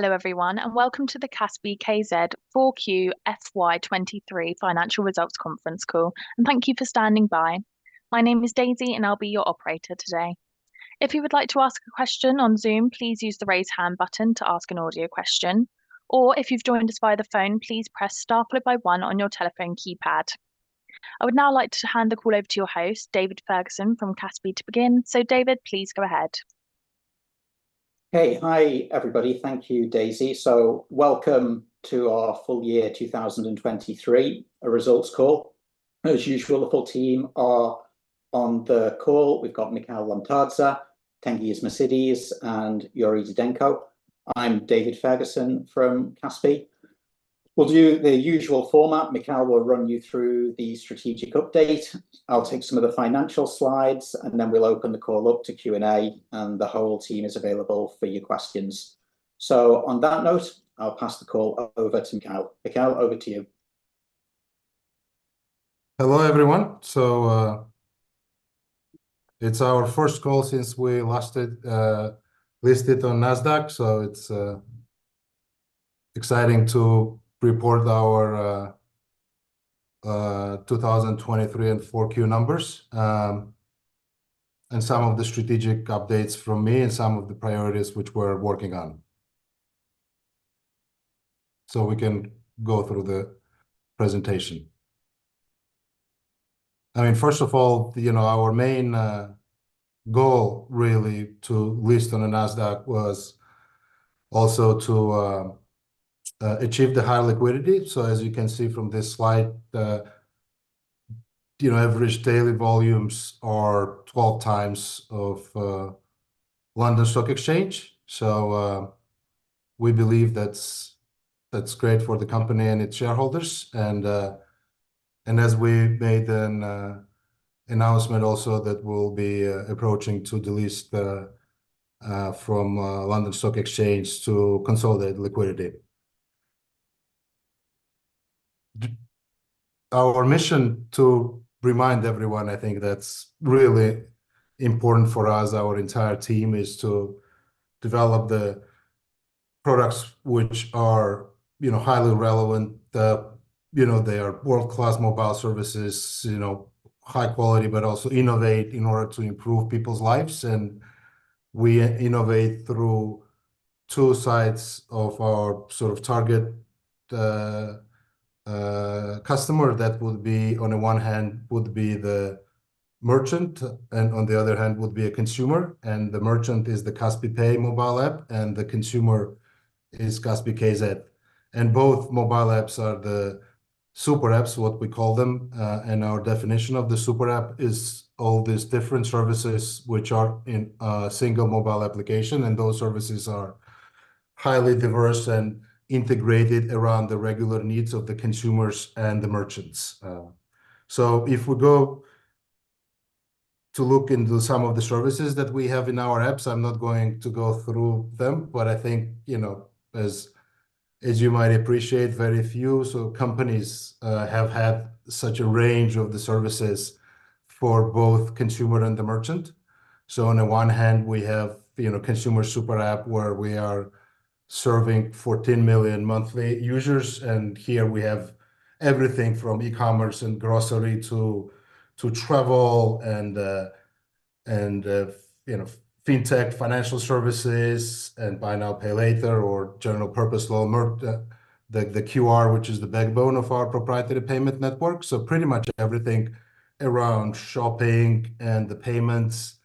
Hello everyone, and welcome to the Kaspi.kz 4QFY23 Financial Results Conference call, and thank you for standing by. My name is Daisy, and I'll be your operator today. If you would like to ask a question on Zoom, please use the raise hand button to ask an audio question, or if you've joined us via the phone, please press star then 1 on your telephone keypad. I would now like to hand the call over to your host, David Ferguson, from Kaspi to begin, so David, please go ahead. Hey, hi everybody. Thank you, Daisy. Welcome to our full year 2023 results call. As usual, the full team are on the call. We've got Mikheil Lomtadze, Tengiz Mosidze, and Yuri Didenko. I'm David Ferguson from Kaspi. We'll do the usual format. Mikheil will run you through the strategic update. I'll take some of the financial slides, and then we'll open the call up to Q&A, and the whole team is available for your questions. On that note, I'll pass the call over to Mikheil. Mikheil, over to you. Hello everyone. So, it's our first call since we last listed on Nasdaq, so it's exciting to report our 2023 and Q4 numbers, and some of the strategic updates from me and some of the priorities which we're working on. So we can go through the presentation. I mean, first of all, you know, our main goal really to list on the Nasdaq was also to achieve the high liquidity. So as you can see from this slide, you know, average daily volumes are 12x of London Stock Exchange. So, we believe that's great for the company and its shareholders. And as we made an announcement also that we'll be approaching to delist from London Stock Exchange to consolidate liquidity. Our mission, to remind everyone, I think that's really important for us, our entire team, is to develop the products which are, you know, highly relevant. You know, they are world-class mobile services, you know, high quality, but also innovate in order to improve people's lives. And we innovate through two sides of our sort of target, customer. That would be, on the one hand, would be the merchant, and on the other hand would be a consumer. And the merchant is the Kaspi Pay mobile app, and the consumer is Kaspi.kz. And both mobile apps are the Super Apps, what we call them. And our definition of the Super App is all these different services which are in a single mobile application, and those services are highly diverse and integrated around the regular needs of the consumers and the merchants. So if we go to look into some of the services that we have in our apps, I'm not going to go through them, but I think, you know, as you might appreciate, very few companies have had such a range of the services for both consumer and the merchant. So on the one hand, we have, you know, consumer super app where we are serving 14 million monthly users, and here we have everything from e-commerce and grocery to travel and, you know, fintech, financial services, and buy now pay later or general purpose loan, the QR which is the backbone of our proprietary payment network. So pretty much everything around shopping and the payments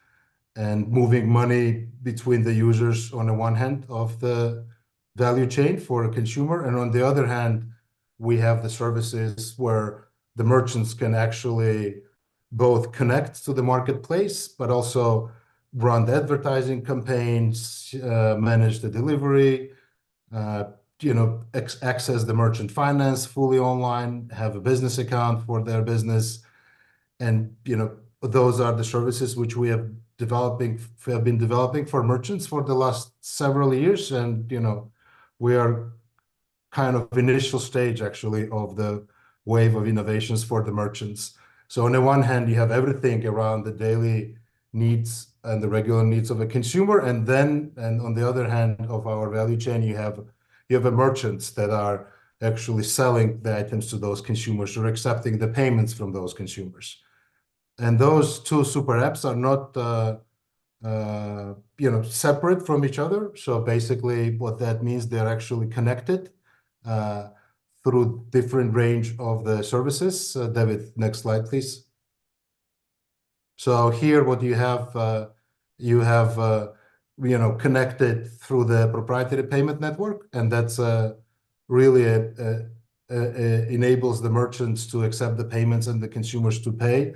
and moving money between the users on the one hand of the value chain for a consumer, and on the other hand, we have the services where the merchants can actually both connect to the marketplace but also run the advertising campaigns, manage the delivery, you know, access the merchant finance fully online, have a business account for their business. And, you know, those are the services which we have developed have been developing for merchants for the last several years, and, you know, we are kind of initial stage, actually, of the wave of innovations for the merchants. On the one hand, you have everything around the daily needs and the regular needs of a consumer, and then on the other hand of our value chain, you have merchants that are actually selling the items to those consumers or accepting the payments from those consumers. Those two super apps are not, you know, separate from each other. Basically what that means, they're actually connected through different range of the services. David, next slide, please. Here what you have, you know, connected through the proprietary payment network, and that's really enables the merchants to accept the payments and the consumers to pay.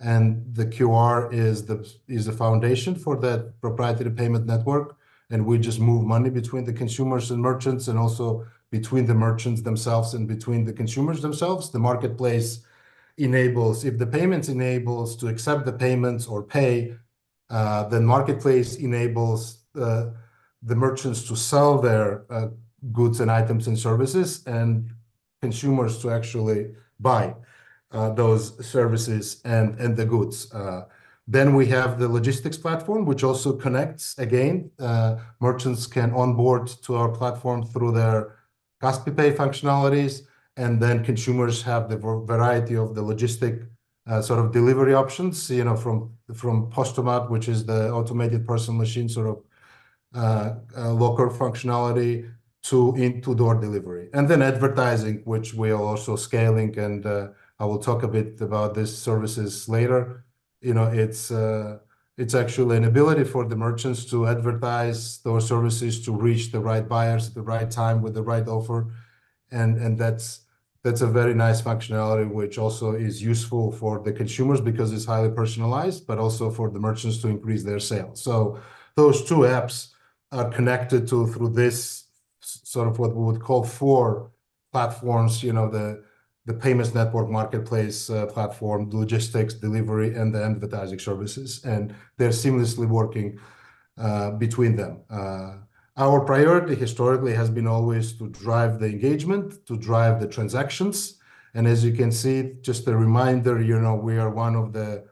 The QR is the foundation for that proprietary payment network, and we just move money between the consumers and merchants and also between the merchants themselves and between the consumers themselves. The marketplace enables if the payments enable to accept the payments or pay, then marketplace enables the merchants to sell their goods and items and services and consumers to actually buy those services and the goods. Then we have the logistics platform which also connects again. Merchants can onboard to our platform through their Kaspi Pay functionalities, and then consumers have the variety of the logistic sort of delivery options, you know, from Postomat, which is the automated parcel machine sort of locker functionality, to in-to-door delivery. And then advertising, which we are also scaling, and I will talk a bit about these services later. You know, it's actually an ability for the merchants to advertise those services to reach the right buyers at the right time with the right offer. And that's a very nice functionality which also is useful for the consumers because it's highly personalized, but also for the merchants to increase their sales. So those two apps are connected to through this sort of what we would call four platforms, you know, the payments network marketplace, platform, logistics, delivery, and the advertising services. And they're seamlessly working between them. Our priority historically has been always to drive the engagement, to drive the transactions. And as you can see, just a reminder, you know, we are one of the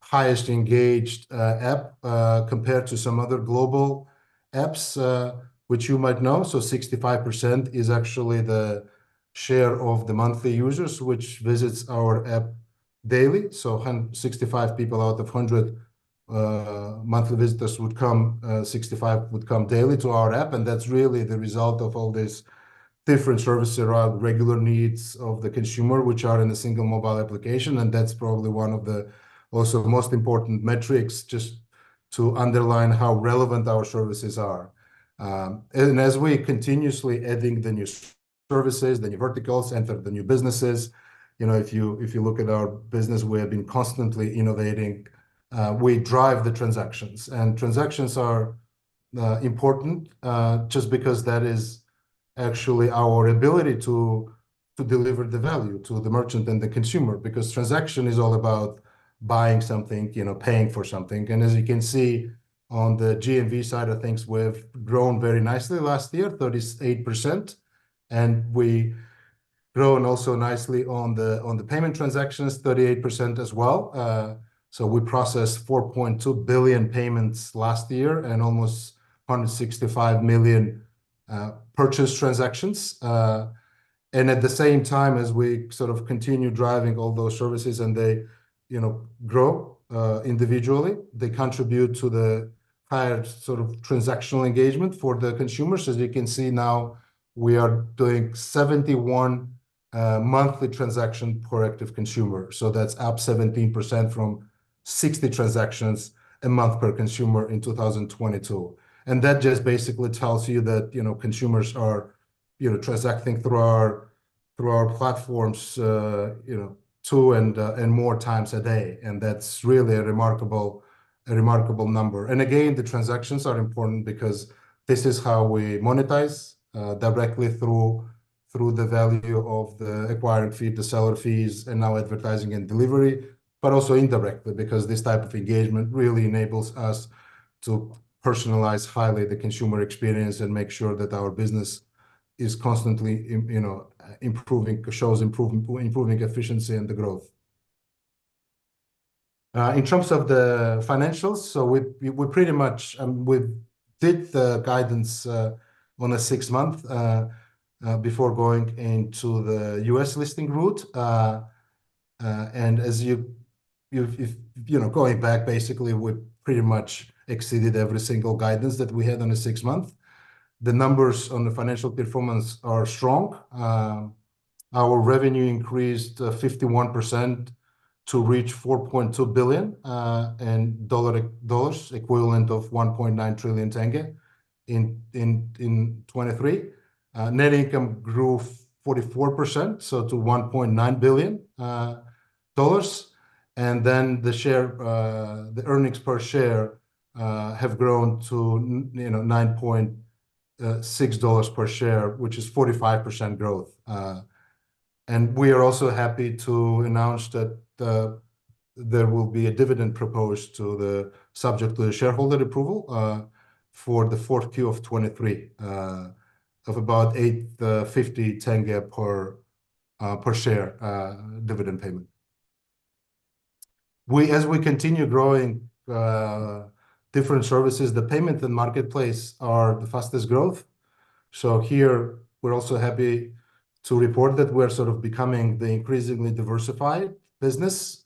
highest engaged app compared to some other global apps, which you might know. So 65% is actually the share of the monthly users which visits our app daily. So 65 people out of 100 monthly visitors would come, 65 would come daily to our app. That's really the result of all these different services around regular needs of the consumer which are in a single mobile application. And that's probably one of the also most important metrics just to underline how relevant our services are. And as we continuously adding the new services, the new verticals, enter the new businesses, you know, if you look at our business, we have been constantly innovating. We drive the transactions. And transactions are important just because that is actually our ability to deliver the value to the merchant and the consumer because transaction is all about buying something, you know, paying for something. And as you can see on the GMV side of things, we've grown very nicely last year, 38%. And we grown also nicely on the payment transactions, 38% as well. So we processed 4.2 billion payments last year and almost 165 million purchase transactions. At the same time as we sort of continue driving all those services and they, you know, grow, individually, they contribute to the higher sort of transactional engagement for the consumers. As you can see now, we are doing 71 monthly transaction per active consumer. So that's up 17% from 60 transactions a month per consumer in 2022. That just basically tells you that, you know, consumers are, you know, transacting through our through our platforms, you know, two and, and more times a day. That's really a remarkable a remarkable number. Again, the transactions are important because this is how we monetize, directly through the value of the acquiring fee, the seller fees, and now advertising and delivery, but also indirectly because this type of engagement really enables us to personalize highly the consumer experience and make sure that our business is constantly, you know, improving, shows improving efficiency and the growth. In terms of the financials, so we pretty much—I mean, we did the guidance on a six-month before going into the U.S. listing route. As you if you know, going back, basically, we pretty much exceeded every single guidance that we had on a six-month. The numbers on the financial performance are strong. Our revenue increased 51% to reach $4.2 billion, equivalent of KZT 1.9 trillion in 2023. Net income grew 44% to $1.9 billion. And then the share, the earnings per share, have grown to, you know, $9.6 per share, which is 45% growth. And we are also happy to announce that there will be a dividend proposed, subject to shareholder approval, for Q4 2023, of about KZT 850 per share, dividend payment. As we continue growing different services, the payment and marketplace are the fastest growth. So here we're also happy to report that we're sort of becoming the increasingly diversified business,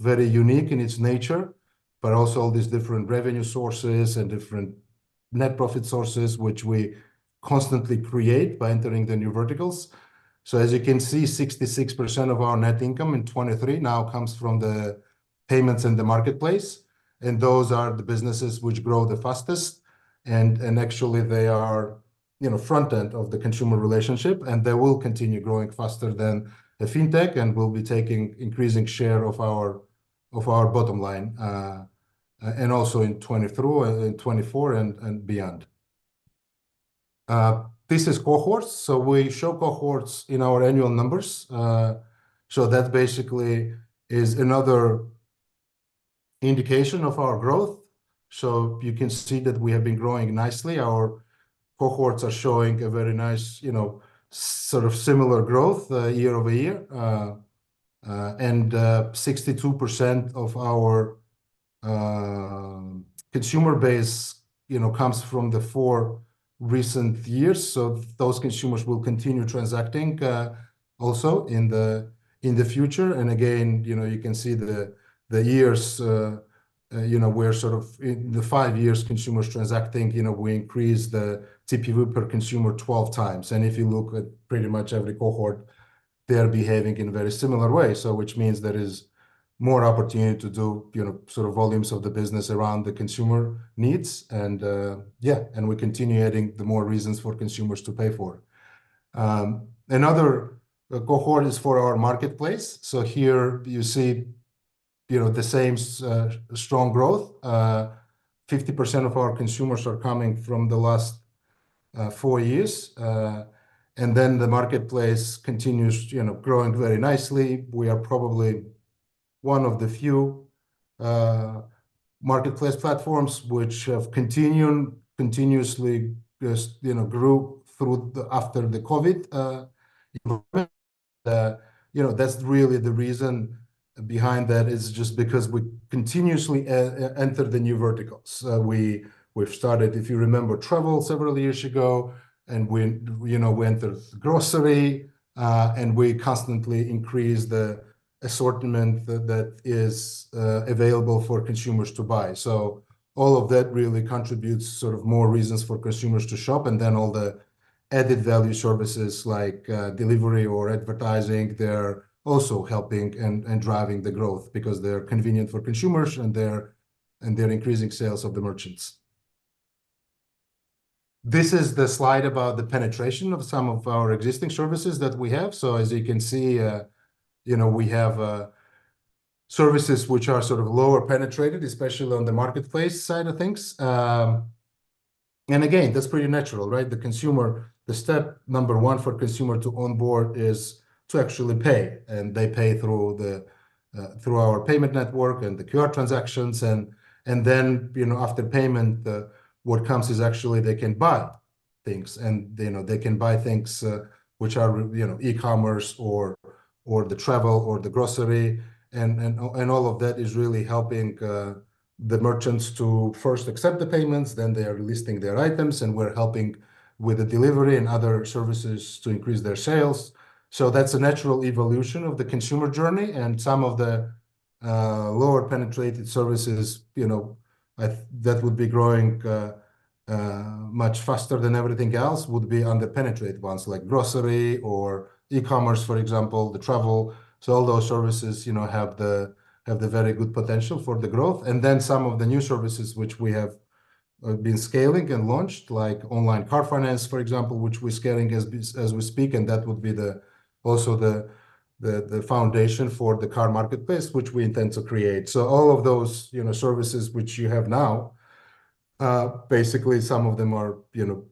very unique in its nature, but also all these different revenue sources and different net profit sources which we constantly create by entering the new verticals. So as you can see, 66% of our net income in 2023 now comes from the payments and the marketplace. And those are the businesses which grow the fastest. And actually they are, you know, front end of the consumer relationship. And they will continue growing faster than a fintech and will be taking increasing share of our bottom line, and also in 2023, in 2024, and beyond. This is cohorts. So we show cohorts in our annual numbers. So that basically is another indication of our growth. So you can see that we have been growing nicely. Our cohorts are showing a very nice, you know, sort of similar growth, year-over-year. And 62% of our consumer base, you know, comes from the four recent years. So those consumers will continue transacting, also in the future. And again, you know, you can see the years, you know, we're sort of in the five years consumers transacting, you know, we increase the TPV per consumer 12x. If you look at pretty much every cohort, they're behaving in a very similar way. So which means there is more opportunity to do, you know, sort of volumes of the business around the consumer needs. And, yeah, and we continue adding the more reasons for consumers to pay for. Another cohort is for our marketplace. So here you see, you know, the same, strong growth. 50% of our consumers are coming from the last four years. And then the marketplace continues, you know, growing very nicely. We are probably one of the few marketplace platforms which have continued continuously, just, you know, grew through the after the COVID, improvement. You know, that's really the reason behind that is just because we continuously enter the new verticals. We've started, if you remember, travel several years ago, and we, you know, we entered grocery, and we constantly increase the assortment that is available for consumers to buy. So all of that really contributes sort of more reasons for consumers to shop. And then all the added value services like delivery or advertising, they're also helping and driving the growth because they're convenient for consumers and they're increasing sales of the merchants. This is the slide about the penetration of some of our existing services that we have. So as you can see, you know, we have services which are sort of lower penetrated, especially on the marketplace side of things. And again, that's pretty natural, right? The step number one for consumer to onboard is to actually pay. And they pay through our payment network and the QR transactions. And then, you know, after payment, what comes is actually they can buy things. And, you know, they can buy things, which are, you know, e-commerce or the travel or the grocery. And all of that is really helping the merchants to first accept the payments, then they are listing their items, and we're helping with the delivery and other services to increase their sales. So that's a natural evolution of the consumer journey. And some of the lower penetrated services, you know, that would be growing much faster than everything else would be underpenetrated ones like grocery or e-commerce, for example, the travel. So all those services, you know, have the very good potential for the growth. And then some of the new services which we have been scaling and launched, like online car finance, for example, which we're scaling as we speak. And that would be also the foundation for the car marketplace which we intend to create. So all of those, you know, services which you have now, basically some of them are, you know,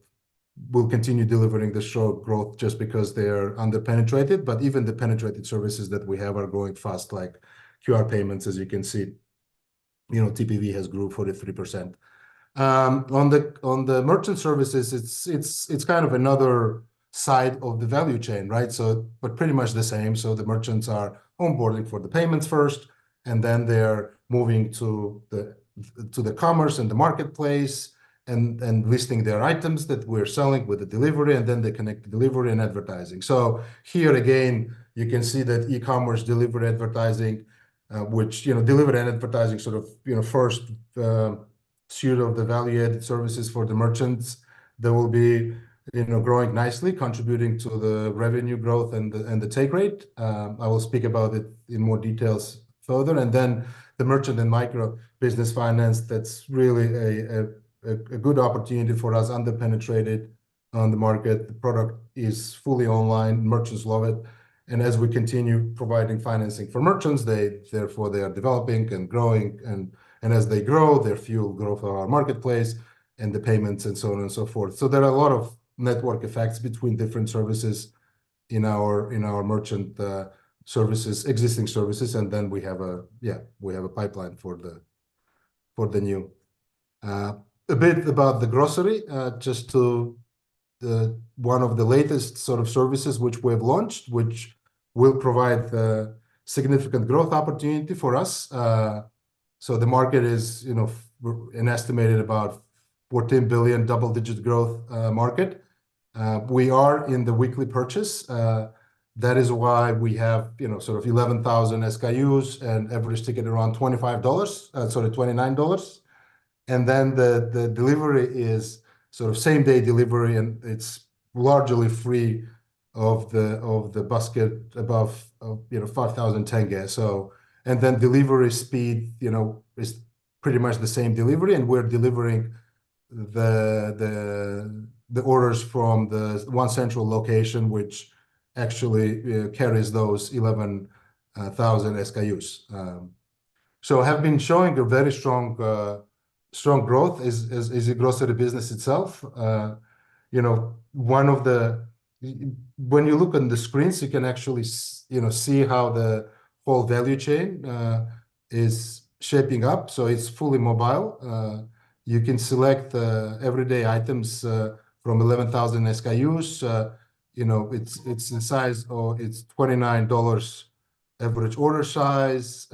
will continue delivering the show growth just because they are under penetrated. But even the penetrated services that we have are growing fast, like QR payments, as you can see. You know, TPV has grew 43%. On the merchant services, it's kind of another side of the value chain, right? So but pretty much the same. So the merchants are onboarding for the payments first, and then they're moving to the commerce and the marketplace and listing their items that we're selling with the delivery. And then they connect the delivery and advertising. So here again, you can see that e-commerce delivery advertising, which, you know, delivery and advertising sort of, you know, first, suite of the value-added services for the merchants, there will be, you know, growing nicely, contributing to the revenue growth and the take rate. I will speak about it in more details further. And then the merchant and micro business finance, that's really a good opportunity for us, underpenetrated on the market. The product is fully online. Merchants love it. And as we continue providing financing for merchants, they therefore are developing and growing. And as they grow, they're fueling growth of our marketplace and the payments and so on and so forth. So there are a lot of network effects between different services in our merchant services, existing services. And then we have a pipeline for the new. A bit about the grocery, just one of the latest sort of services which we have launched, which will provide the significant growth opportunity for us. So the market is, you know, an estimated about $14 billion double-digit growth market. We are in the weekly purchase. That is why we have, you know, sort of 11,000 SKUs and average ticket around $25, sorry, $29. And then the delivery is sort of same-day delivery, and it's largely free of the basket above of, you know, KZT 5,000. So, delivery speed, you know, is pretty much the same delivery. And we're delivering the orders from the one central location, which actually carries those 11,000 SKUs. So [it has] been showing a very strong growth as a grocery business itself. You know, one of the [key things] when you look on the screens, you can actually, you know, see how the whole value chain is shaping up. So it's fully mobile. You can select the everyday items from 11,000 SKUs. You know, it's the size or it's $29 dollars average order size.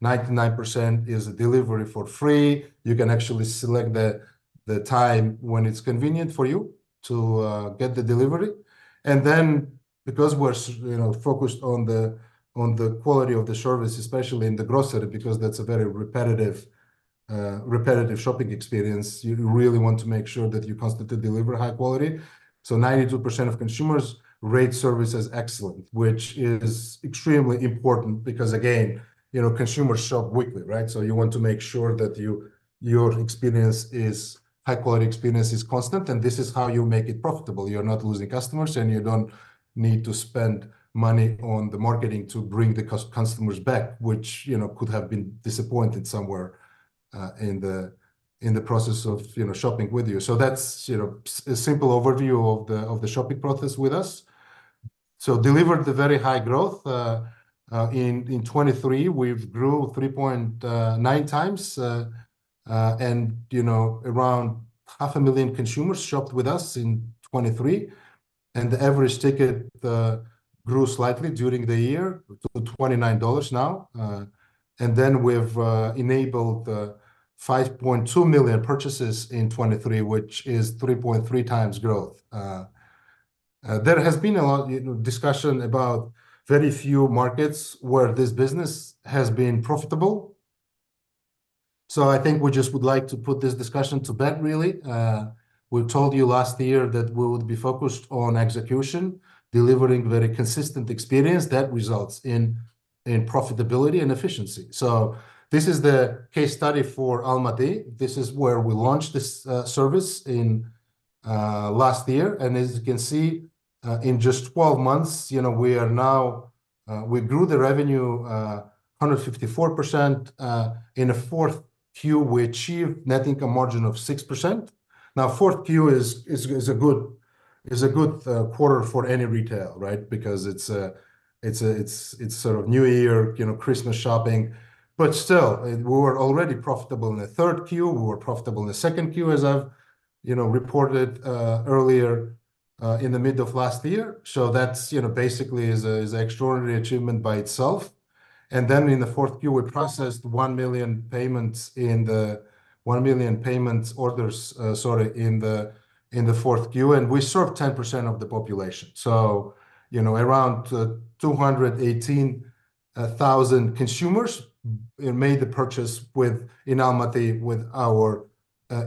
99% is a delivery for free. You can actually select the time when it's convenient for you to get the delivery. And then, because we're, you know, focused on the on the quality of the service, especially in the grocery, because that's a very repetitive, repetitive shopping experience, you really want to make sure that you constantly deliver high quality. So 92% of consumers rate service as excellent, which is extremely important because, again, you know, consumers shop weekly, right? So you want to make sure that you your experience is high quality experience is constant. And this is how you make it profitable. You're not losing customers, and you don't need to spend money on the marketing to bring the customers back, which, you know, could have been disappointed somewhere, in the in the process of, you know, shopping with you. So that's, you know, a simple overview of the of the shopping process with us. So delivered the very high growth in in 2023, we've grew 3.9x. You know, around 500,000 consumers shopped with us in 2023. The average ticket grew slightly during the year to $29 now. Then we've enabled 5.2 million purchases in 2023, which is 3.3x growth. There has been a lot, you know, discussion about very few markets where this business has been profitable. So I think we just would like to put this discussion to bed, really. We told you last year that we would be focused on execution, delivering very consistent experience that results in profitability and efficiency. So this is the case study for Almaty. This is where we launched this service in last year. And as you can see, in just 12 months, you know, we are now we grew the revenue 154%. In Q4, we achieved net income margin of 6%. Now, fourth Q is a good quarter for any retail, right? Because it's a sort of new year, you know, Christmas shopping. But still, we were already profitable in the third Q. We were profitable in the second Q, as I've, you know, reported, earlier, in the mid of last year. So that's, you know, basically an extraordinary achievement by itself. And then in the fourth Q, we processed 1 million payments orders, sorry, in the fourth Q. And we served 10% of the population. So, you know, around 218,000 consumers made the purchase in Almaty with our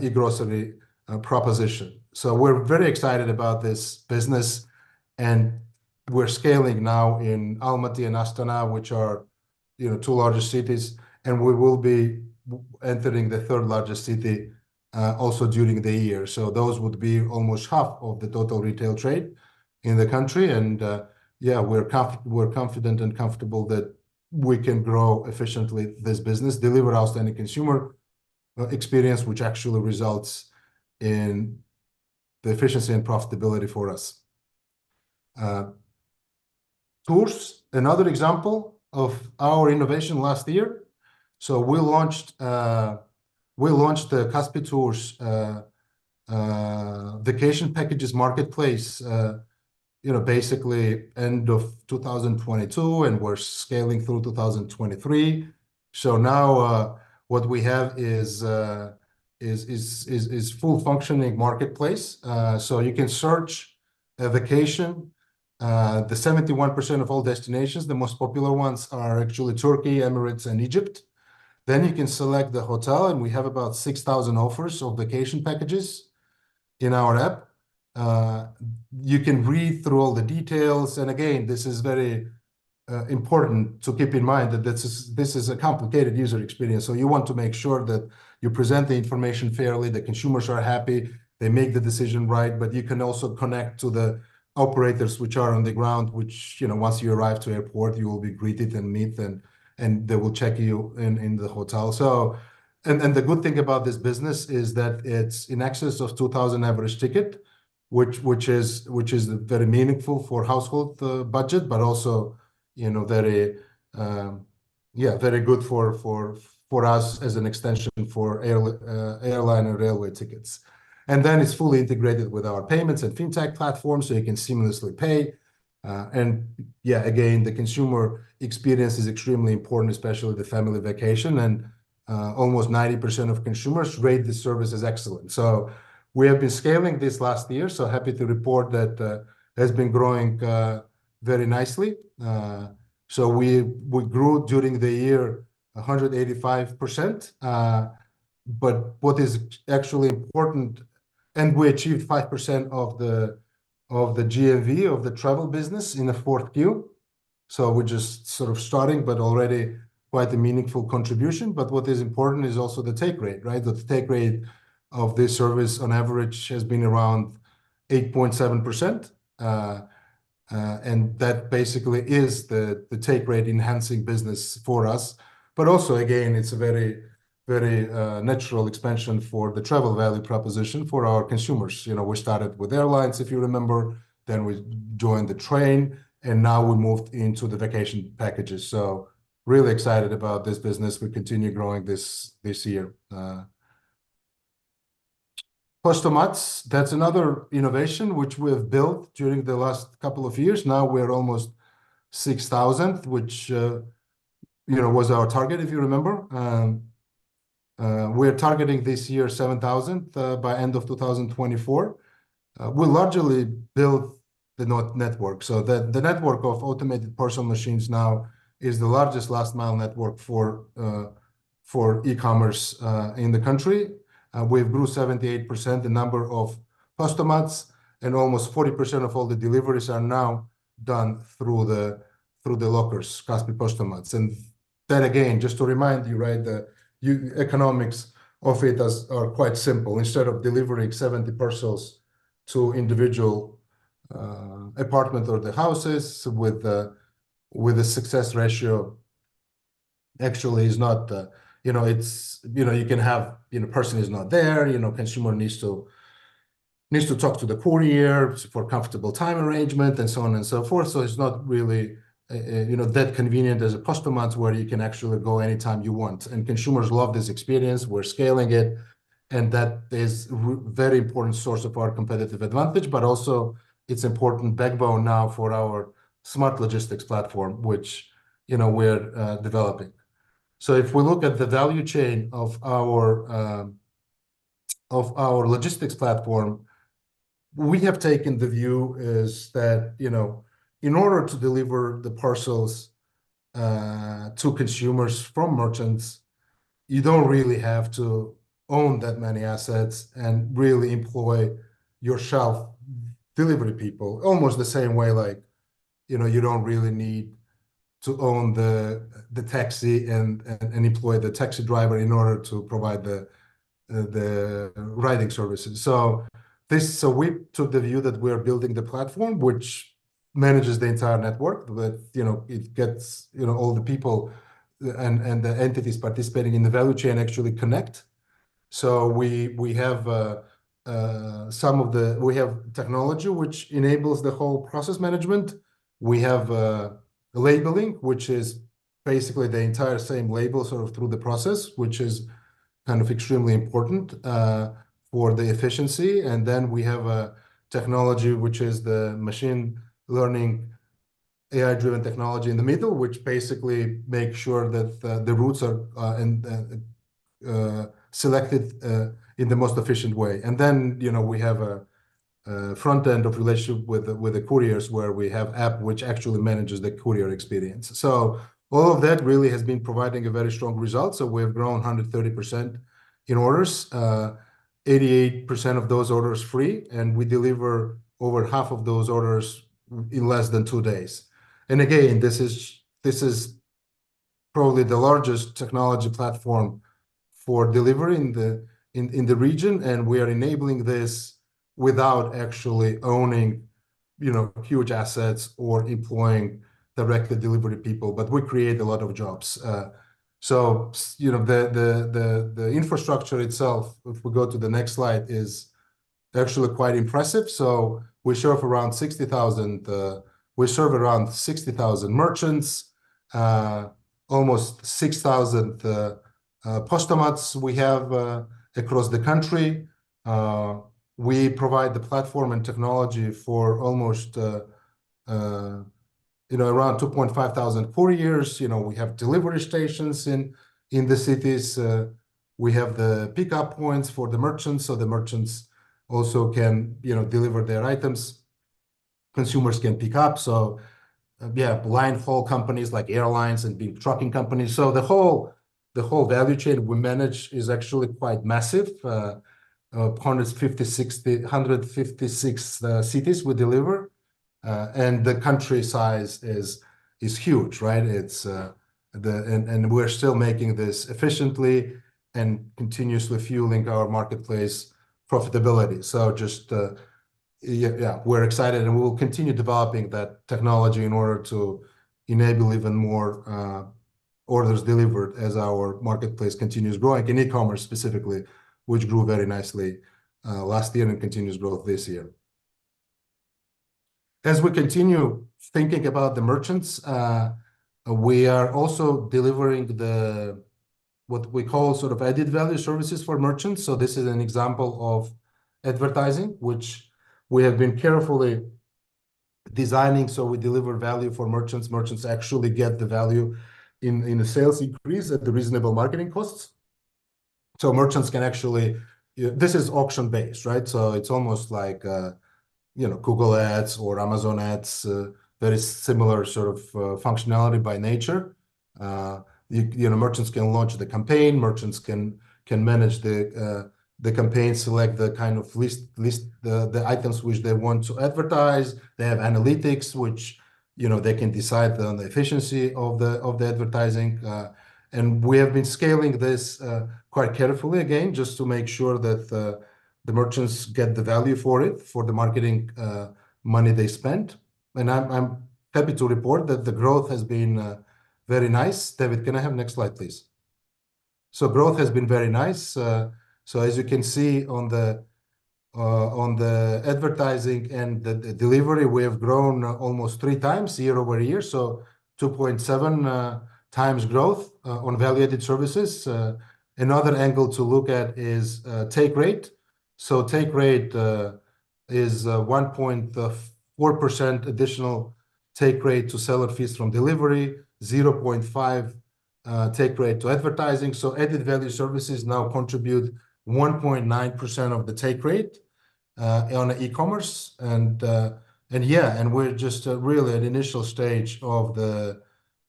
e-grocery proposition. So we're very excited about this business. And we're scaling now in Almaty and Astana, which are, you know, two largest cities. We will be entering the third largest city, also during the year. So those would be almost half of the total retail trade in the country. And, yeah, we're confident and comfortable that we can grow efficiently this business, deliver outstanding consumer experience, which actually results in the efficiency and profitability for us. Tours, another example of our innovation last year. So we launched the Kaspi Tours, vacation packages marketplace, you know, basically end of 2022, and we're scaling through 2023. So now, what we have is full functioning marketplace. So you can search a vacation, 71% of all destinations, the most popular ones are actually Turkey, Emirates, and Egypt. Then you can select the hotel, and we have about 6,000 offers of vacation packages in our app. You can read through all the details. Again, this is very important to keep in mind that this is a complicated user experience. So you want to make sure that you present the information fairly, the consumers are happy, they make the decision right, but you can also connect to the operators which are on the ground, which, you know, once you arrive to airport, you will be greeted and met and they will check you in the hotel. The good thing about this business is that it's in excess of $2,000 average ticket, which is very meaningful for household budget, but also, you know, very good for us as an extension for airline and railway tickets. Then it's fully integrated with our payments and fintech platform, so you can seamlessly pay. And yeah, again, the consumer experience is extremely important, especially the family vacation. And almost 90% of consumers rate the service as excellent. So we have been scaling this last year, so happy to report that has been growing very nicely. So we grew during the year 185%. But what is actually important, and we achieved 5% of the GMV of the travel business in Q4. So we're just sort of starting, but already quite a meaningful contribution. But what is important is also the take rate, right? The take rate of this service on average has been around 8.7%. And that basically is the take rate enhancing business for us. But also, again, it's a very, very natural expansion for the travel value proposition for our consumers. You know, we started with airlines, if you remember, then we joined the train, and now we moved into the vacation packages. So really excited about this business. We continue growing this year. Postomats, that's another innovation which we've built during the last couple of years. Now we're almost 6,000, which, you know, was our target, if you remember. We're targeting this year 7,000, by end of 2024. We largely built the network. So the network of automated parcel machines now is the largest last-mile network for e-commerce, in the country. We've grew 78% the number of Postomats, and almost 40% of all the deliveries are now done through the lockers, Kaspi Postomats. And then again, just to remind you, right, the economics of it are quite simple. Instead of delivering 70 parcels to individual apartments or the houses with a success ratio that actually is not, you know, it's, you know, you can have, you know, a person is not there, you know, the consumer needs to talk to the courier for a comfortable time arrangement and so on and so forth. So it's not really, you know, that convenient as postomats where you can actually go anytime you want. And consumers love this experience. We're scaling it. And that is a very important source of our competitive advantage. But also it's an important backbone now for our smart logistics platform, which, you know, we're developing. So if we look at the value chain of our logistics platform, we have taken the view that, you know, in order to deliver the parcels to consumers from merchants, you don't really have to own that many assets and really employ self-delivery people almost the same way like, you know, you don't really need to own the taxi and employ the taxi driver in order to provide the riding services. So we took the view that we are building the platform, which manages the entire network, but, you know, it gets, you know, all the people and the entities participating in the value chain actually connect. So we have some technology, which enables the whole process management. We have labeling, which is basically the entire same label sort of through the process, which is kind of extremely important for the efficiency. And then we have a technology, which is the machine learning AI-driven technology in the middle, which basically makes sure that the routes are and selected in the most efficient way. And then, you know, we have a front-end of relationship with the with the couriers where we have app, which actually manages the courier experience. So all of that really has been providing a very strong result. So we have grown 130% in orders, 88% of those orders free, and we deliver over half of those orders in less than two days. Again, this is probably the largest technology platform for delivery in the region, and we are enabling this without actually owning, you know, huge assets or employing directly delivery people. But we create a lot of jobs. So, you know, the infrastructure itself, if we go to the next slide, is actually quite impressive. So we serve around 60,000 merchants. Almost 6,000 Postomats we have across the country. We provide the platform and technology for almost, you know, around 2,500 couriers. You know, we have delivery stations in the cities. We have the pickup points for the merchants so the merchants also can, you know, deliver their items. Consumers can pick up. So, yeah, B2B companies like airlines and big trucking companies. So the whole value chain we manage is actually quite massive. 156 cities we deliver. The country size is huge, right? It's the, and we're still making this efficiently and continuously fueling our marketplace profitability. So just, yeah, we're excited and we will continue developing that technology in order to enable even more orders delivered as our marketplace continues growing, in e-commerce specifically, which grew very nicely last year and continues growth this year. As we continue thinking about the merchants, we are also delivering the, what we call sort of added value services for merchants. So this is an example of advertising, which we have been carefully designing so we deliver value for merchants. Merchants actually get the value in a sales increase at the reasonable marketing costs. So merchants can actually. This is auction-based, right? So it's almost like, you know, Google Ads or Amazon Ads, very similar sort of functionality by nature. You know, merchants can launch the campaign. Merchants can manage the campaign, select the kind of list the items which they want to advertise. They have analytics, which, you know, they can decide on the efficiency of the advertising. And we have been scaling this, quite carefully, again, just to make sure that, the merchants get the value for it, for the marketing, money they spent. And I'm happy to report that the growth has been, very nice. David, can I have the next slide, please? So growth has been very nice. So as you can see on the advertising and the delivery, we have grown almost 3x year-over-year. So 2.7x growth on value-added services. Another angle to look at is, take rate. So take rate is 1.4% additional take rate to seller fees from delivery, 0.5% take rate to advertising. So added value services now contribute 1.9% of the take rate on e-commerce. And yeah, we're just really at initial stage of the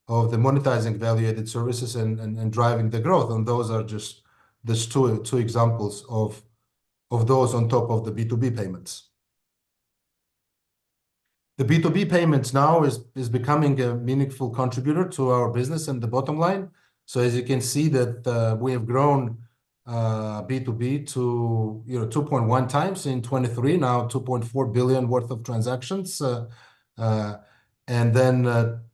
monetizing value-added services and driving the growth. And those are just the two examples of those on top of the B2B payments. The B2B payments now is becoming a meaningful contributor to our business and the bottom line. So as you can see that, we have grown B2B to, you know, 2.1x in 2023, now $2.4 billion worth of transactions. And then,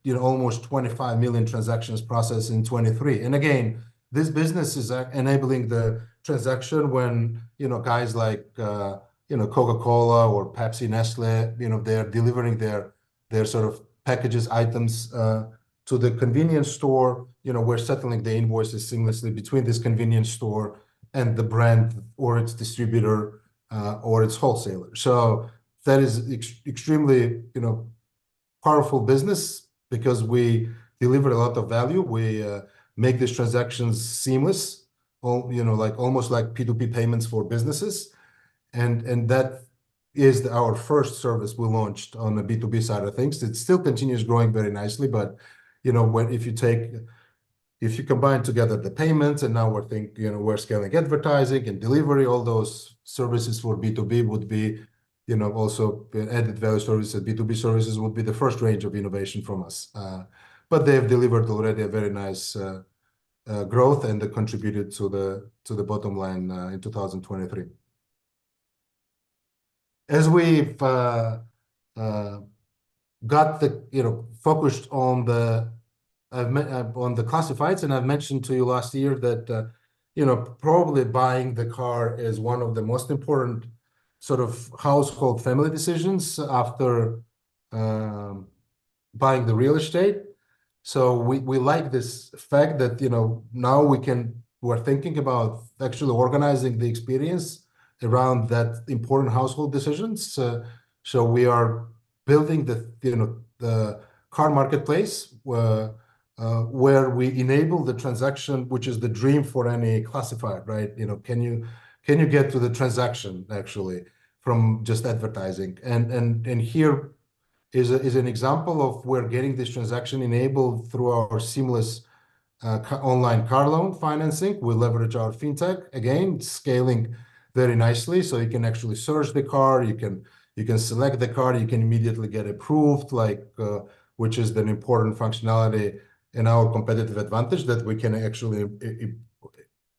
you know, almost 25 million transactions processed in 2023. And again, this business is enabling the transaction when, you know, guys like, you know, Coca-Cola or Pepsi, Nestlé, you know, they're delivering their sort of packages, items, to the convenience store. You know, we're settling the invoices seamlessly between this convenience store and the brand or its distributor, or its wholesaler. So that is extremely, you know, powerful business because we deliver a lot of value. We make these transactions seamless, all, you know, like almost like P2P payments for businesses. And that is our first service we launched on the B2B side of things. It still continues growing very nicely, but, you know, when, if you take, if you combine together the payments and now we're thinking, you know, we're scaling advertising and delivery, all those services for B2B would be, you know, also added value services. B2B services would be the first range of innovation from us. But they have delivered already a very nice growth and they contributed to the bottom line in 2023. As we've got the you know focus on the classifieds, and I've mentioned to you last year that you know probably buying the car is one of the most important sort of household family decisions after buying the real estate. So we like this fact that you know now we're thinking about actually organizing the experience around that important household decisions. So we are building the you know the car marketplace where we enable the transaction which is the dream for any classified right? You know can you get to the transaction actually from just advertising? Here is an example of where getting this transaction enabled through our seamless online car loan financing. We leverage our fintech, again, scaling very nicely. So you can actually search the car. You can select the car. You can immediately get approved, like, which is an important functionality and our competitive advantage that we can actually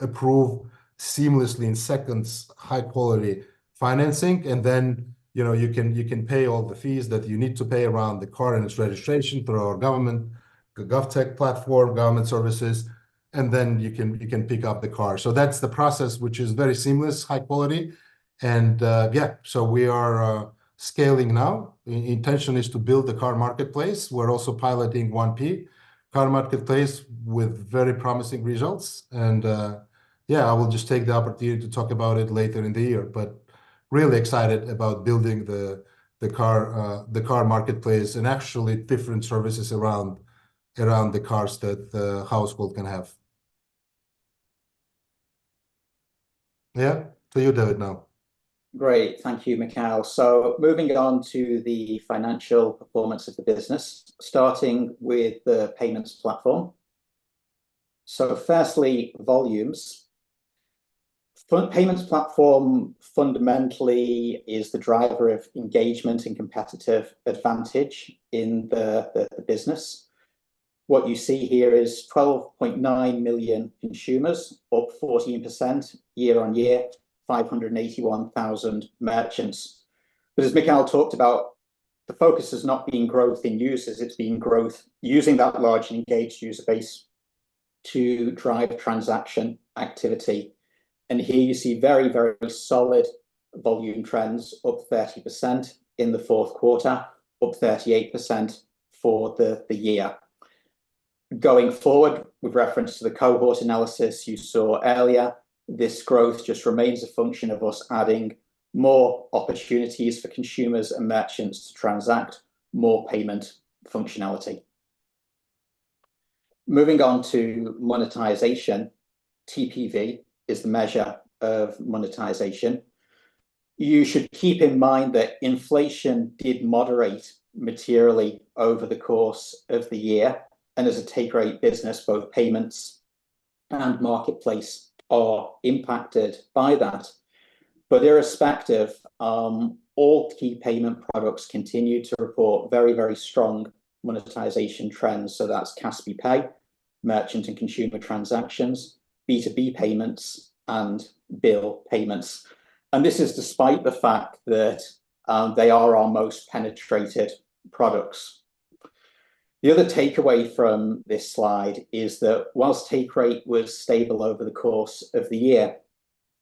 approve seamlessly in seconds high-quality financing. And then, you know, you can pay all the fees that you need to pay around the car and its registration through our government GovTech platform, government services. And then you can pick up the car. So that's the process, which is very seamless, high quality. Yeah, so we are scaling now. The intention is to build the car marketplace. We're also piloting 1P car marketplace with very promising results. Yeah, I will just take the opportunity to talk about it later in the year. But really excited about building the car marketplace and actually different services around the cars that the household can have. Yeah, to you, David, now. Great. Thank you, Mikheil. Moving on to the financial performance of the business, starting with the payments platform. Firstly, volumes. Payments platform fundamentally is the driver of engagement and competitive advantage in the business. What you see here is 12.9 million consumers, up 14% YoY, 581,000 merchants. But as Mikheil talked about, the focus is not being growth in users. It's being growth using that large and engaged user base to drive transaction activity. And here you see very, very solid volume trends, up 30% in the fourth quarter, up 38% for the year. Going forward, with reference to the cohort analysis you saw earlier, this growth just remains a function of us adding more opportunities for consumers and merchants to transact, more payment functionality. Moving on to monetization, TPV is the measure of monetization. You should keep in mind that inflation did moderate materially over the course of the year. And as a take rate business, both payments and marketplace are impacted by that. But irrespective, all key payment products continue to report very, very strong monetization trends. So that's Kaspi Pay, merchant and consumer transactions, B2B payments, and bill payments. And this is despite the fact that, they are our most penetrated products. The other takeaway from this slide is that while take rate was stable over the course of the year,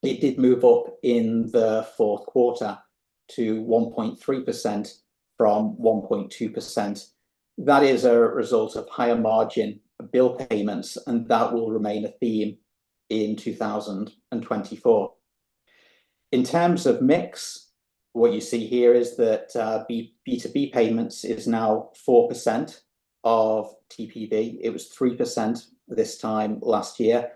it did move up in the fourth quarter to 1.3% from 1.2%. That is a result of higher margin bill payments, and that will remain a theme in 2024. In terms of mix, what you see here is that, B2B payments is now 4% of TPV. It was 3% this time last year.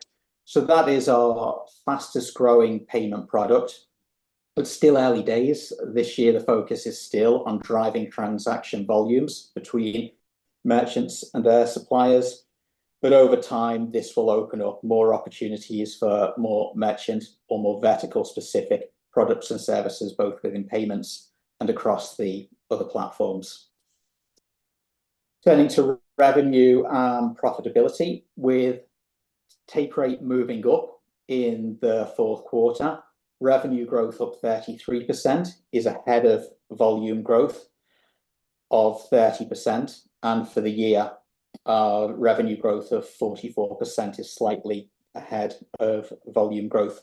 So that is our fastest growing payment product. But still early days. This year, the focus is still on driving transaction volumes between merchants and their suppliers. But over time, this will open up more opportunities for more merchant or more vertical-specific products and services, both within payments and across the other platforms. Turning to revenue and profitability, with take rate moving up in the fourth quarter, revenue growth up 33% is ahead of volume growth of 30%. For the year, revenue growth of 44% is slightly ahead of volume growth.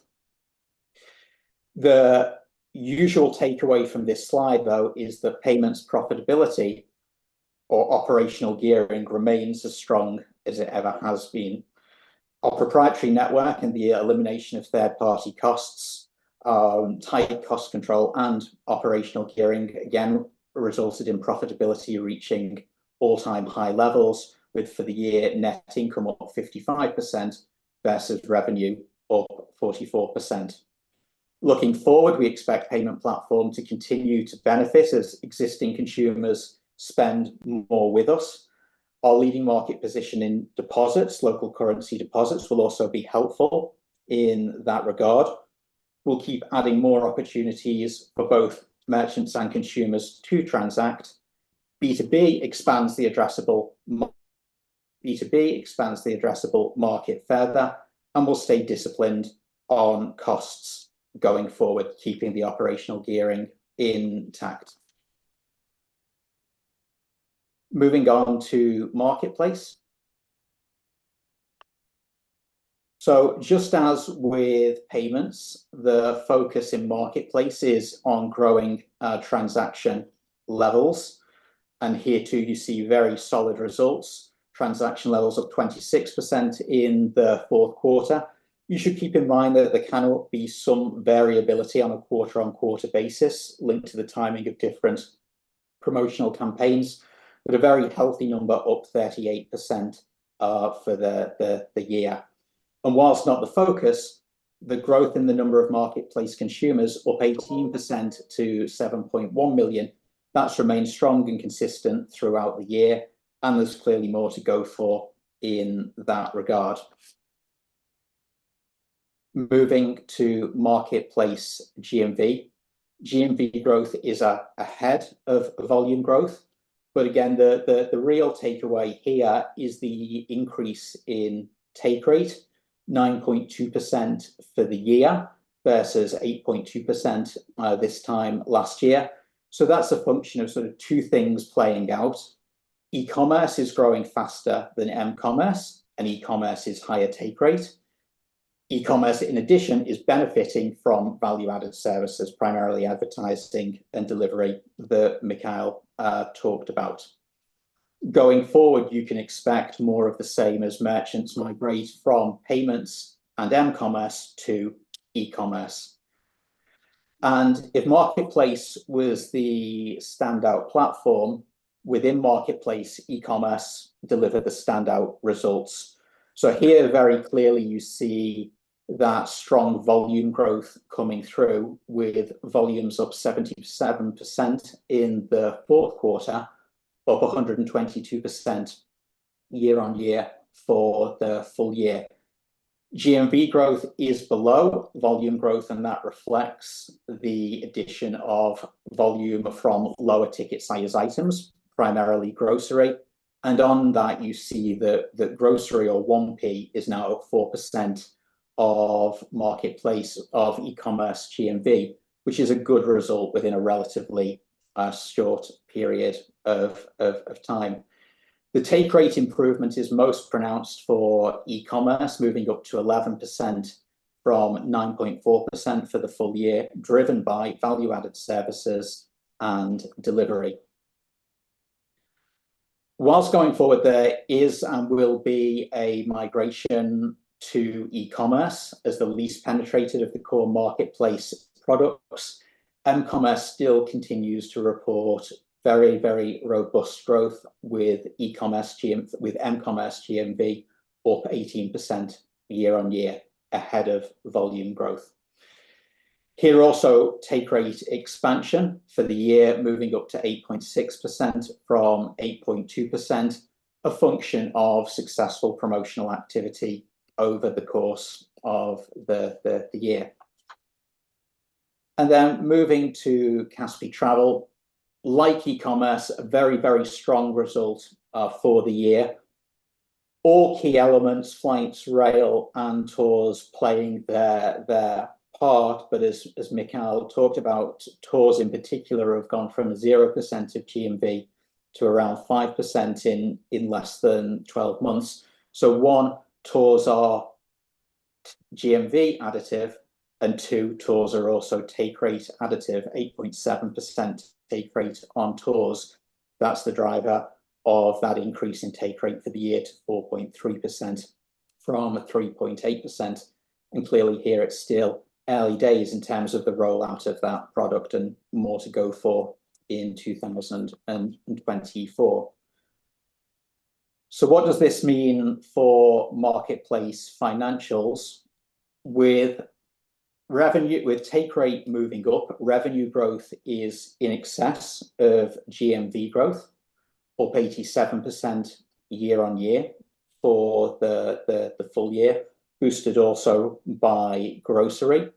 The usual takeaway from this slide, though, is that payments profitability or operational gearing remains as strong as it ever has been. Our proprietary network and the elimination of third-party costs, tight cost control and operational gearing, again, resulted in profitability reaching all-time high levels, with, for the year, net income up 55% versus revenue up 44%. Looking forward, we expect payment platform to continue to benefit as existing consumers spend more with us. Our leading market position in deposits, local currency deposits, will also be helpful in that regard. We'll keep adding more opportunities for both merchants and consumers to transact. B2B expands the addressable market further, and we'll stay disciplined on costs going forward, keeping the operational gearing intact. Moving on to marketplace. Just as with payments, the focus in marketplace is on growing transaction levels. Here too, you see very solid results, transaction levels up 26% in the fourth quarter. You should keep in mind that there cannot be some variability on a quarter-on-quarter basis linked to the timing of different promotional campaigns, but a very healthy number, up 38%, for the year. While not the focus, the growth in the number of marketplace consumers, up 18% to 7.1 million, that's remained strong and consistent throughout the year. There's clearly more to go for in that regard. Moving to marketplace GMV. GMV growth is ahead of volume growth. Again, the real takeaway here is the increase in take rate, 9.2% for the year versus 8.2% this time last year. That's a function of sort of two things playing out. e-commerce is growing faster than m-commerce, and e-commerce is higher take rate. e-commerce, in addition, is benefiting from value-added services, primarily advertising and delivery that Mikheil talked about. Going forward, you can expect more of the same as merchants migrate from payments and m-commerce to e-commerce. And if marketplace was the standout platform, within marketplace, e-commerce delivered the standout results. So here, very clearly, you see that strong volume growth coming through, with volumes up 77% in the fourth quarter, up 122% YoY for the full year. GMV growth is below volume growth, and that reflects the addition of volume from lower ticket size items, primarily grocery. And on that, you see that grocery or 1P is now up 4% of marketplace of e-commerce GMV, which is a good result within a relatively short period of time. The take rate improvement is most pronounced for e-commerce, moving up to 11% from 9.4% for the full year, driven by value-added services and delivery. While going forward, there is and will be a migration to e-commerce as the least penetrated of the core marketplace products, m-commerce still continues to report very, very robust growth, with m-commerce GMV up 18% year-over-year, ahead of volume growth. Here also, take rate expansion for the year, moving up to 8.6% from 8.2%, a function of successful promotional activity over the course of the year. Then moving to Kaspi Travel. Like e-commerce, a very, very strong result for the year. All key elements, flights, rail, and tours, playing their part. But as Mikheil talked about, tours in particular have gone from 0% of GMV to around 5% in less than 12 months. So one, tours are GMV additive, and two, tours are also take rate additive, 8.7% take rate on tours. That's the driver of that increase in take rate for the year to 4.3% from 3.8%. And clearly here, it's still early days in terms of the rollout of that product and more to go for in 2024. So what does this mean for marketplace financials? With revenue, with take rate moving up, revenue growth is in excess of GMV growth, up 87% YoY for the full year, boosted also by grocery.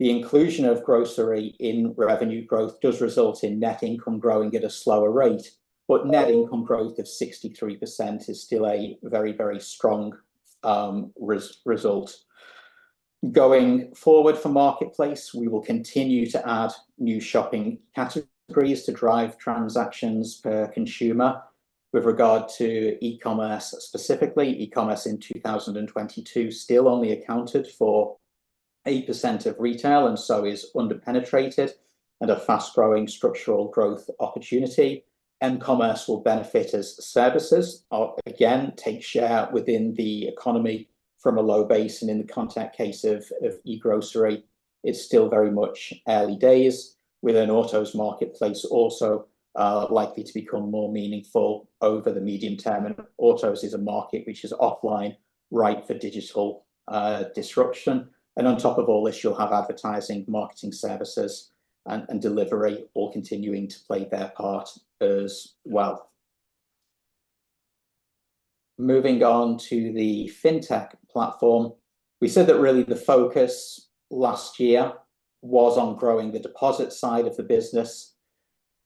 The inclusion of grocery in revenue growth does result in net income growing at a slower rate, but net income growth of 63% is still a very, very strong result. Going forward for marketplace, we will continue to add new shopping categories to drive transactions per consumer. With regard to e-commerce specifically, e-commerce in 2022 still only accounted for 8% of retail, and so is underpenetrated and a fast-growing structural growth opportunity. m-commerce will benefit as services, or again, take share within the economy from a low base. In the context of e-grocery, it's still very much early days, with an autos marketplace also likely to become more meaningful over the medium term. Autos is a market which is offline, ripe for digital disruption. On top of all this, you'll have advertising, marketing services, and delivery all continuing to play their part as well. Moving on to the fintech platform, we said that really the focus last year was on growing the deposit side of the business.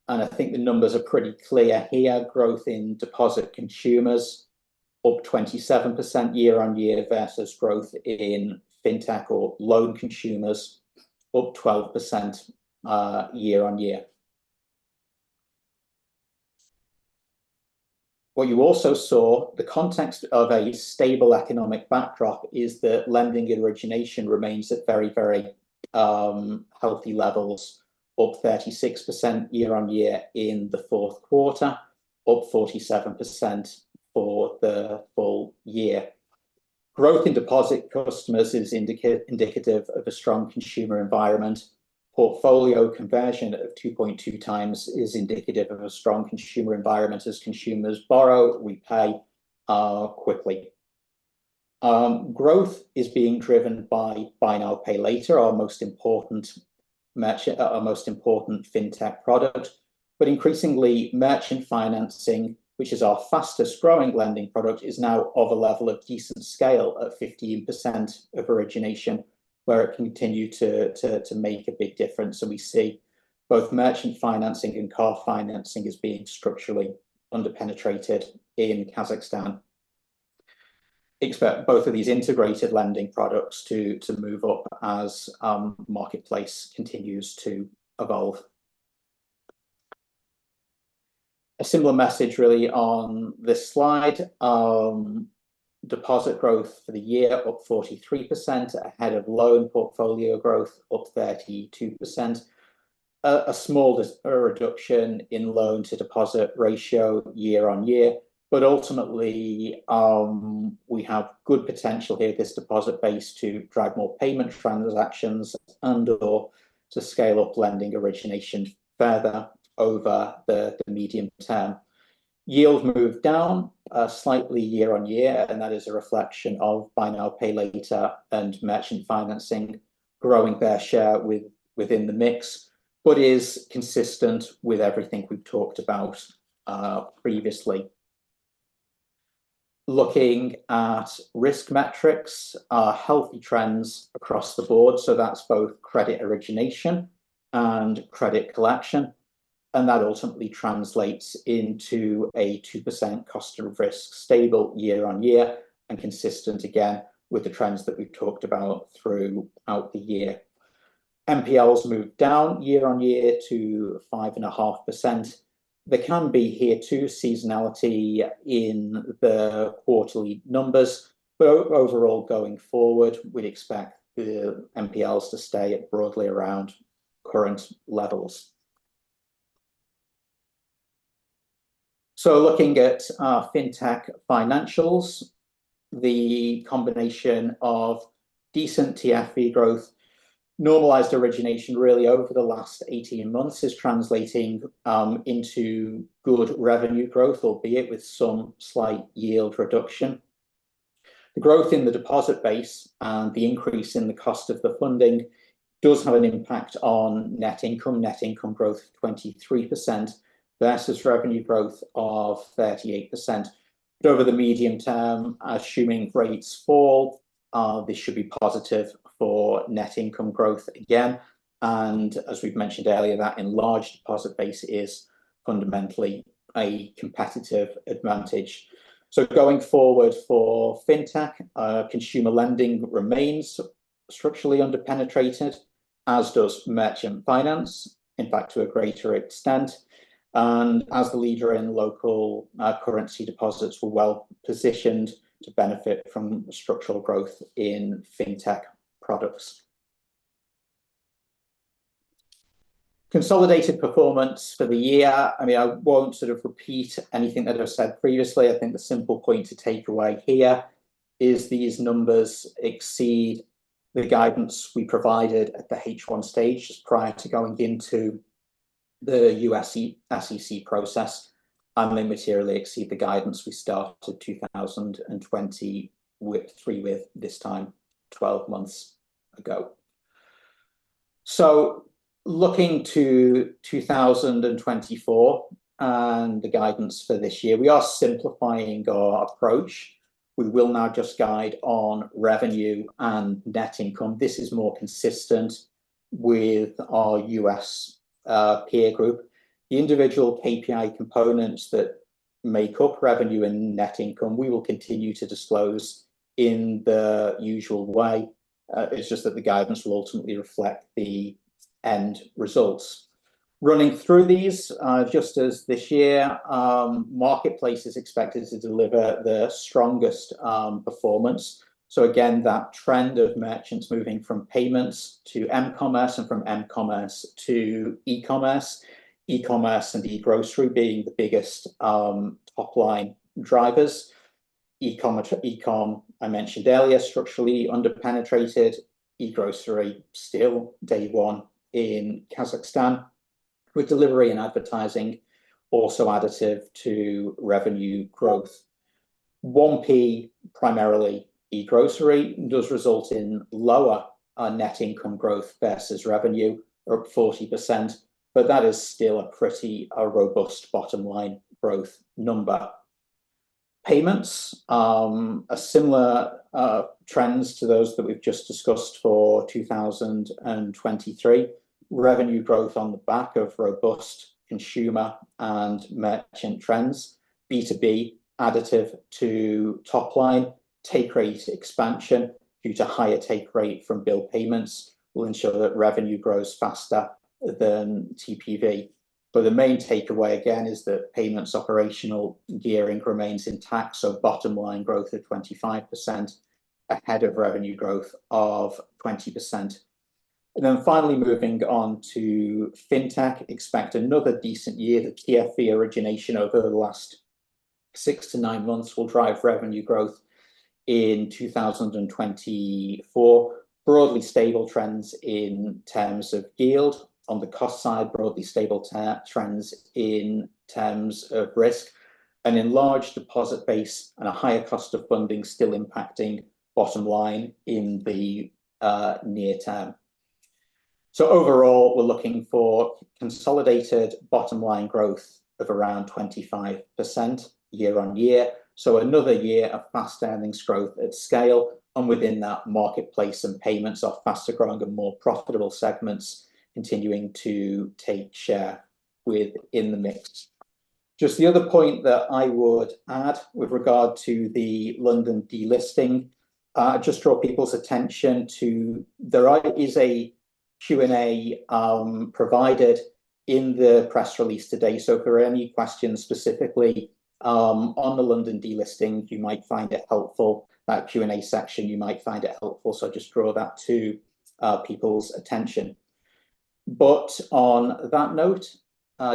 I think the numbers are pretty clear here. Growth in deposit consumers, up 27% YoY versus growth in fintech or loan consumers, up 12% YoY. What you also saw, the context of a stable economic backdrop is that lending origination remains at very, very healthy levels, up 36% YoY in the fourth quarter, up 47% for the full year. Growth in deposit customers is indicative of a strong consumer environment. Portfolio conversion of 2.2 times is indicative of a strong consumer environment, as consumers borrow, repay, are quickly. Growth is being driven by Buy Now Pay Later, our most important merchant, our most important fintech product. But increasingly, merchant financing, which is our fastest growing lending product, is now of a level of decent scale at 15% of origination, where it can continue to make a big difference. So we see both merchant financing and car financing as being structurally underpenetrated in Kazakhstan. Expect both of these integrated lending products to move up as marketplace continues to evolve. A similar message really on this slide. Deposit growth for the year, up 43%, ahead of loan portfolio growth, up 32%. A small reduction in loan-to-deposit ratio year on year. But ultimately, we have good potential here, this deposit base, to drive more payment transactions and/or to scale up lending origination further over the medium term. Yields move down slightly year on year, and that is a reflection of Buy Now Pay Later and merchant financing growing their share within the mix, but is consistent with everything we've talked about previously. Looking at risk metrics, are healthy trends across the board. So that's both credit origination and credit collection. That ultimately translates into a 2% cost of risk, stable year-on-year and consistent, again, with the trends that we've talked about throughout the year. NPLs move down year-on-year to 5.5%. There can be here too seasonality in the quarterly numbers, but overall, going forward, we'd expect the NPLs to stay at broadly around current levels. Looking at our fintech financials, the combination of decent TFV growth, normalized origination really over the last 18 months is translating into good revenue growth, albeit with some slight yield reduction. The growth in the deposit base and the increase in the cost of the funding does have an impact on net income. Net income growth, 23% versus revenue growth of 38%. But over the medium term, assuming rates fall, this should be positive for net income growth again. As we've mentioned earlier, that enlarged deposit base is fundamentally a competitive advantage. So going forward for fintech, consumer lending remains structurally underpenetrated, as does merchant finance, in fact, to a greater extent. And as the leader in local currency deposits, we're well positioned to benefit from structural growth in fintech products. Consolidated performance for the year. I mean, I won't sort of repeat anything that I've said previously. I think the simple point to take away here is these numbers exceed the guidance we provided at the H1 stage just prior to going into the U.S. SEC process, and they materially exceed the guidance we started 2023 with this time, 12 months ago. So looking to 2024 and the guidance for this year, we are simplifying our approach. We will now just guide on revenue and net income. This is more consistent with our U.S. peer group. The individual KPI components that make up revenue and net income, we will continue to disclose in the usual way. It's just that the guidance will ultimately reflect the end results. Running through these, just as this year, marketplace is expected to deliver the strongest performance. So again, that trend of merchants moving from payments to m-commerce and from m-commerce to e-commerce, e-commerce and e-grocery being the biggest top-line drivers. e-commerce, I mentioned earlier, structurally underpenetrated. e-grocery, still day one in Kazakhstan, with delivery and advertising also additive to revenue growth. 1P, primarily e-grocery, does result in lower net income growth versus revenue, up 40%, but that is still a pretty robust bottom-line growth number. Payments, a similar trends to those that we've just discussed for 2023. Revenue growth on the back of robust consumer and merchant trends, B2B additive to top-line. Take rate expansion due to higher take rate from bill payments will ensure that revenue grows faster than TPV. But the main takeaway, again, is that payments operational gearing remains intact, so bottom-line growth of 25% ahead of revenue growth of 20%. Then finally, moving on to fintech, expect another decent year. The TFV origination over the last 6-9 months will drive revenue growth in 2024. Broadly stable trends in terms of yield. On the cost side, broadly stable trends in terms of risk. An enlarged deposit base and a higher cost of funding still impacting bottom-line in the near term. So overall, we're looking for consolidated bottom-line growth of around 25% year-over-year. So another year of fast-standing growth at scale, and within that, marketplace and payments are faster growing and more profitable segments continuing to take share within the mix. Just the other point that I would add with regard to the London delisting, just draw people's attention to there is a Q&A provided in the press release today. So if there are any questions specifically on the London delisting, you might find it helpful. That Q&A section, you might find it helpful. So I just draw that to people's attention. But on that note,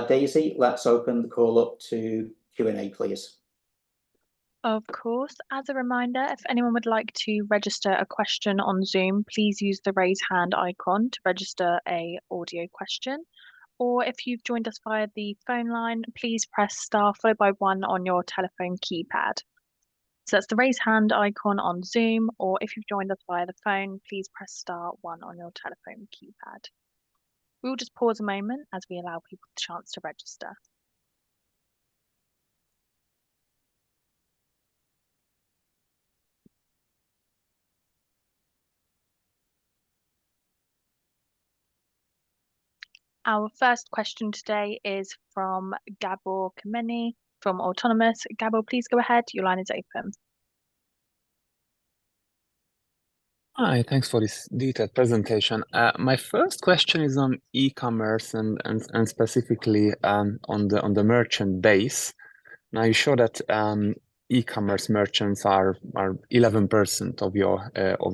Daisy, let's open the call up to Q&A, please. Of course. As a reminder, if anyone would like to register a question on Zoom, please use the raise hand icon to register an audio question. Or if you've joined us via the phone line, please press star followed by one on your telephone keypad. So that's the raise hand icon on Zoom. Or if you've joined us via the phone, please press star one on your telephone keypad. We'll just pause a moment as we allow people the chance to register. Our first question today is from Gabor Kemeny from Autonomous. Gabor, please go ahead. Your line is open. Hi. Thanks for this detailed presentation. My first question is on e-commerce and specifically on the merchant base. Now, you show that e-commerce merchants are 11% of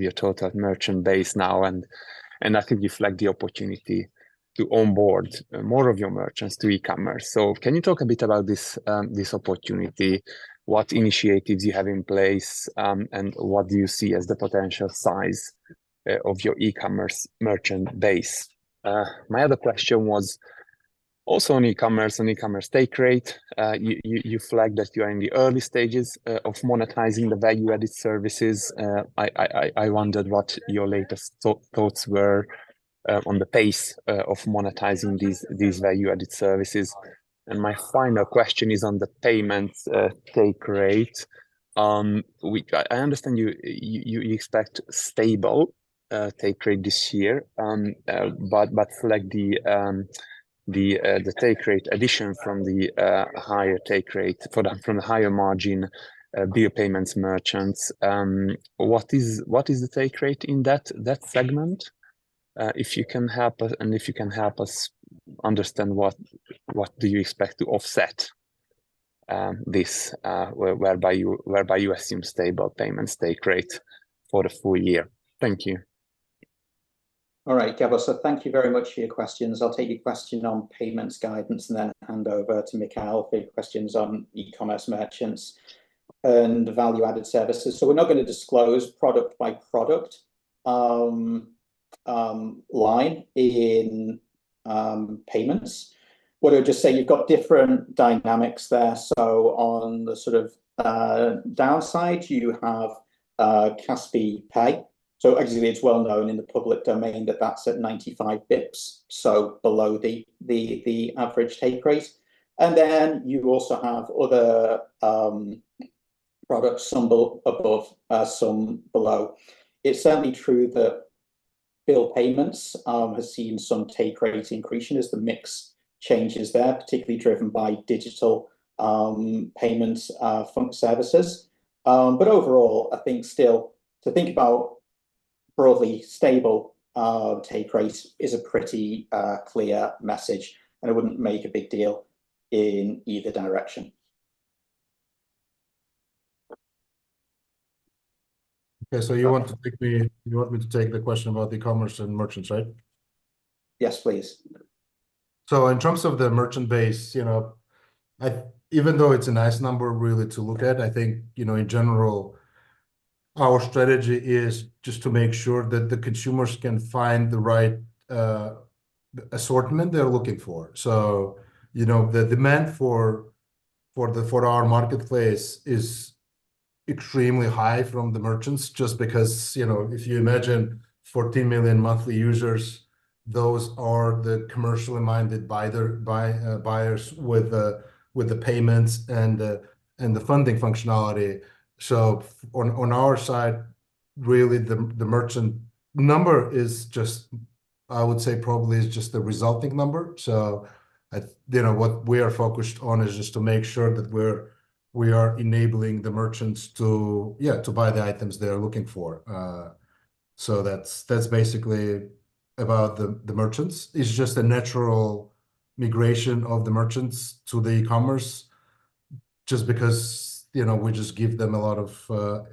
your total merchant base now. And I think you flagged the opportunity to onboard more of your merchants to e-commerce. So can you talk a bit about this opportunity, what initiatives you have in place, and what do you see as the potential size of your e-commerce merchant base? My other question was also on e-commerce take rate. You flagged that you are in the early stages of monetizing the value-added services. I wondered what your latest thoughts were on the pace of monetizing these value-added services. And my final question is on the payment take rate. I understand you expect stable take rate this year, but flag the take rate addition from the higher take rate for the higher margin bill payments merchants. What is the take rate in that segment? If you can help us understand what do you expect to offset this whereby you assume stable payments take rate for the full year. Thank you. All right, Gabor. So thank you very much for your questions. I'll take your question on payments guidance and then hand over to Mikheil for your questions on e-commerce merchants and value-added services. So we're not going to disclose product-by-product line in payments. What I would just say, you've got different dynamics there. So on the sort of downside, you have Kaspi Pay. So actually, it's well known in the public domain that that's at 95 basis points, so below the average take rate. And then you also have other products some above, some below. It's certainly true that bill payments have seen some take rate increase as the mix changes there, particularly driven by digital payment services. But overall, I think still to think about broadly stable take rate is a pretty clear message, and it wouldn't make a big deal in either direction. Okay. So you want me to take the question about e-commerce and merchants, right? Yes, please. So in terms of the merchant base, you know, even though it's a nice number really to look at, I think you know in general, our strategy is just to make sure that the consumers can find the right assortment they're looking for. So you know the demand for our marketplace is extremely high from the merchants just because you know if you imagine 14 million monthly users, those are the commercially minded buyers with the payments and the funding functionality. So on our side, really, the merchant number is just, I would say, probably just the resulting number. So you know what we are focused on is just to make sure that we are enabling the merchants to buy the items they're looking for. So that's basically about the merchants. It's just a natural migration of the merchants to the e-commerce just because you know we just give them a lot of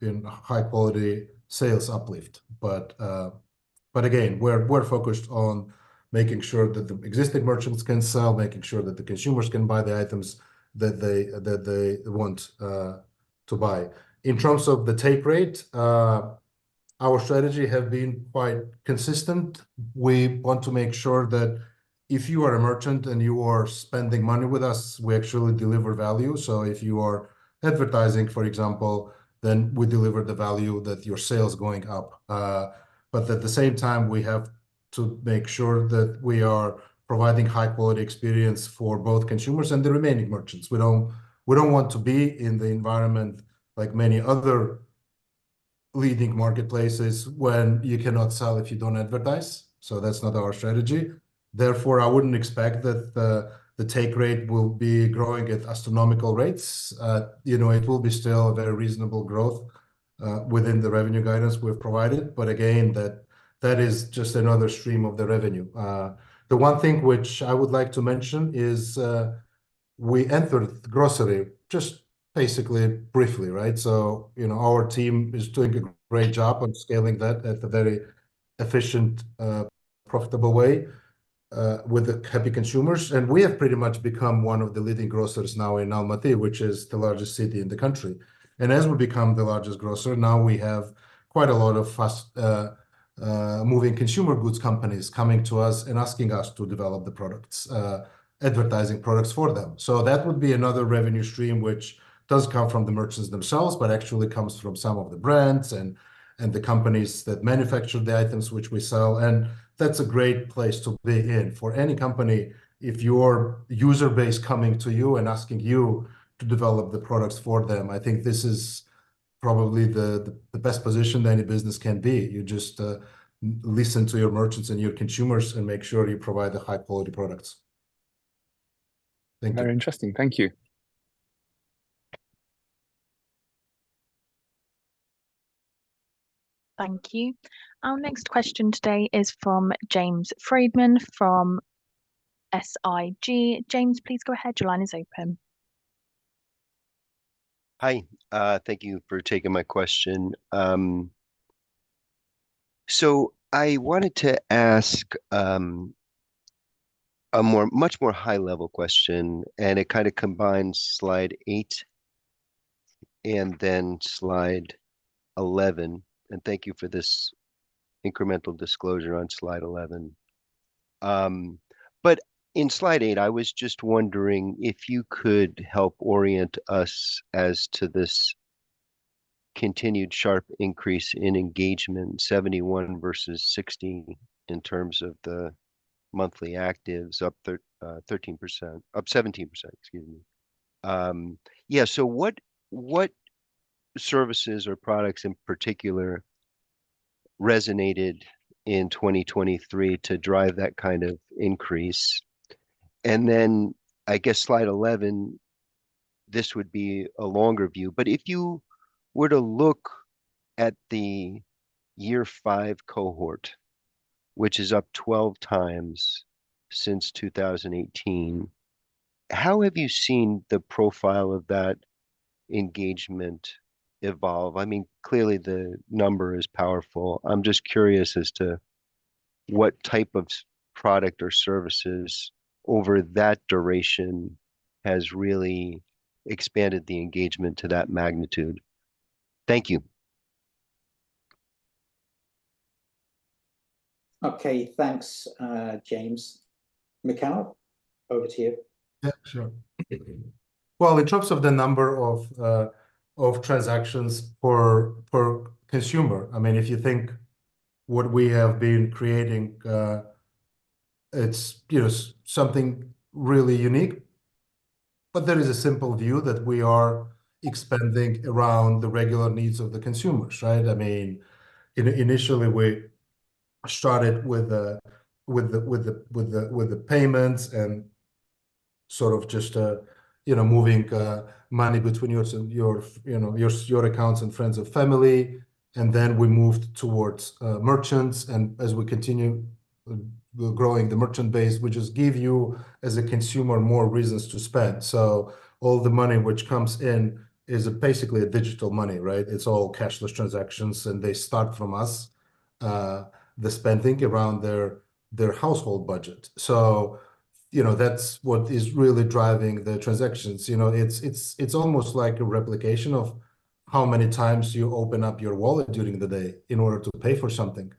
in high-quality sales uplift. But again, we're focused on making sure that the existing merchants can sell, making sure that the consumers can buy the items that they want to buy. In terms of the take rate, our strategy has been quite consistent. We want to make sure that if you are a merchant and you are spending money with us, we actually deliver value. So if you are advertising, for example, then we deliver the value that your sale is going up. But at the same time, we have to make sure that we are providing high-quality experience for both consumers and the remaining merchants. We don't want to be in the environment like many other leading marketplaces when you cannot sell if you don't advertise. So that's not our strategy. Therefore, I wouldn't expect that the take rate will be growing at astronomical rates. You know, it will be still a very reasonable growth within the revenue guidance we've provided. But again, that is just another stream of the revenue. The one thing which I would like to mention is we entered grocery just basically briefly, right? So you know our team is doing a great job on scaling that at a very efficient, profitable way with the happy consumers. And we have pretty much become one of the leading grocers now in Almaty, which is the largest city in the country. As we become the largest grocer, now we have quite a lot of fast-moving consumer goods companies coming to us and asking us to develop the products, advertising products for them. So that would be another revenue stream which does come from the merchants themselves, but actually comes from some of the brands and and the companies that manufacture the items which we sell. And that's a great place to be in for any company. If your user base is coming to you and asking you to develop the products for them, I think this is probably the the best position that any business can be. You just listen to your merchants and your consumers and make sure you provide the high-quality products. Thank you. Very interesting. Thank you. Thank you. Our next question today is from James Friedman from SIG. James, please go ahead. Your line is open. Hi. Thank you for taking my question. So I wanted to ask a much more high-level question, and it kind of combines Slide 8 and then Slide 11. And thank you for this incremental disclosure on Slide 11. But in Slide 8, I was just wondering if you could help orient us as to this continued sharp increase in engagement, 71 versus 60 in terms of the monthly actives, up 13% up 17%, excuse me. Yeah. So what services or products in particular resonated in 2023 to drive that kind of increase? And then I guess Slide 11, this would be a longer view. But if you were to look at the Year 5 cohort, which is up 12x since 2018, how have you seen the profile of that engagement evolve? I mean, clearly, the number is powerful. I'm just curious as to what type of product or services over that duration has really expanded the engagement to that magnitude? Thank you. Okay. Thanks, James. Mikheil, over to you. Yeah, sure. Well, in terms of the number of transactions per consumer, I mean, if you think what we have been creating, it's you know something really unique. But there is a simple view that we are expanding around the regular needs of the consumers, right? I mean, initially, we started with the payments and sort of just a you know moving money between your you know your accounts and friends of family. And then we moved towards merchants. And as we continue growing the merchant base, we just give you, as a consumer, more reasons to spend. So all the money which comes in is basically digital money, right? It's all cashless transactions. And they start from us, the spending, around their household budget. So you know that's what is really driving the transactions. You know, it's almost like a replication of how many times you open up your wallet during the day in order to pay for something.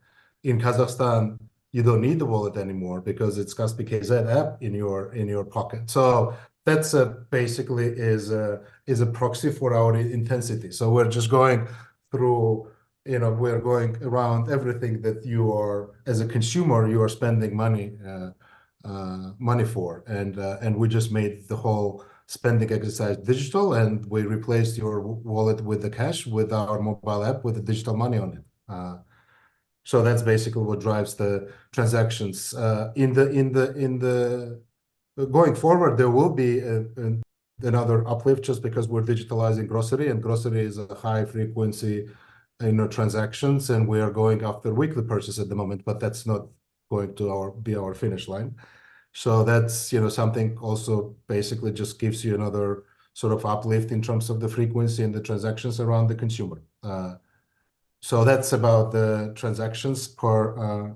In Kazakhstan, you don't need the wallet anymore because it's the Kaspi.kz app in your pocket. So that's basically a proxy for our intensity. So we're just going through, you know, we're going around everything that you as a consumer are spending money for. And we just made the whole spending exercise digital. And we replaced your wallet with our mobile app with the digital money on it. So that's basically what drives the transactions. In the going forward, there will be another uplift just because we're digitalizing grocery. And grocery is a high-frequency, you know, transactions. We are going after weekly purchases at the moment. But that's not going to be our finish line. So that's you know something also basically just gives you another sort of uplift in terms of the frequency and the transactions around the consumer. So that's about the transactions per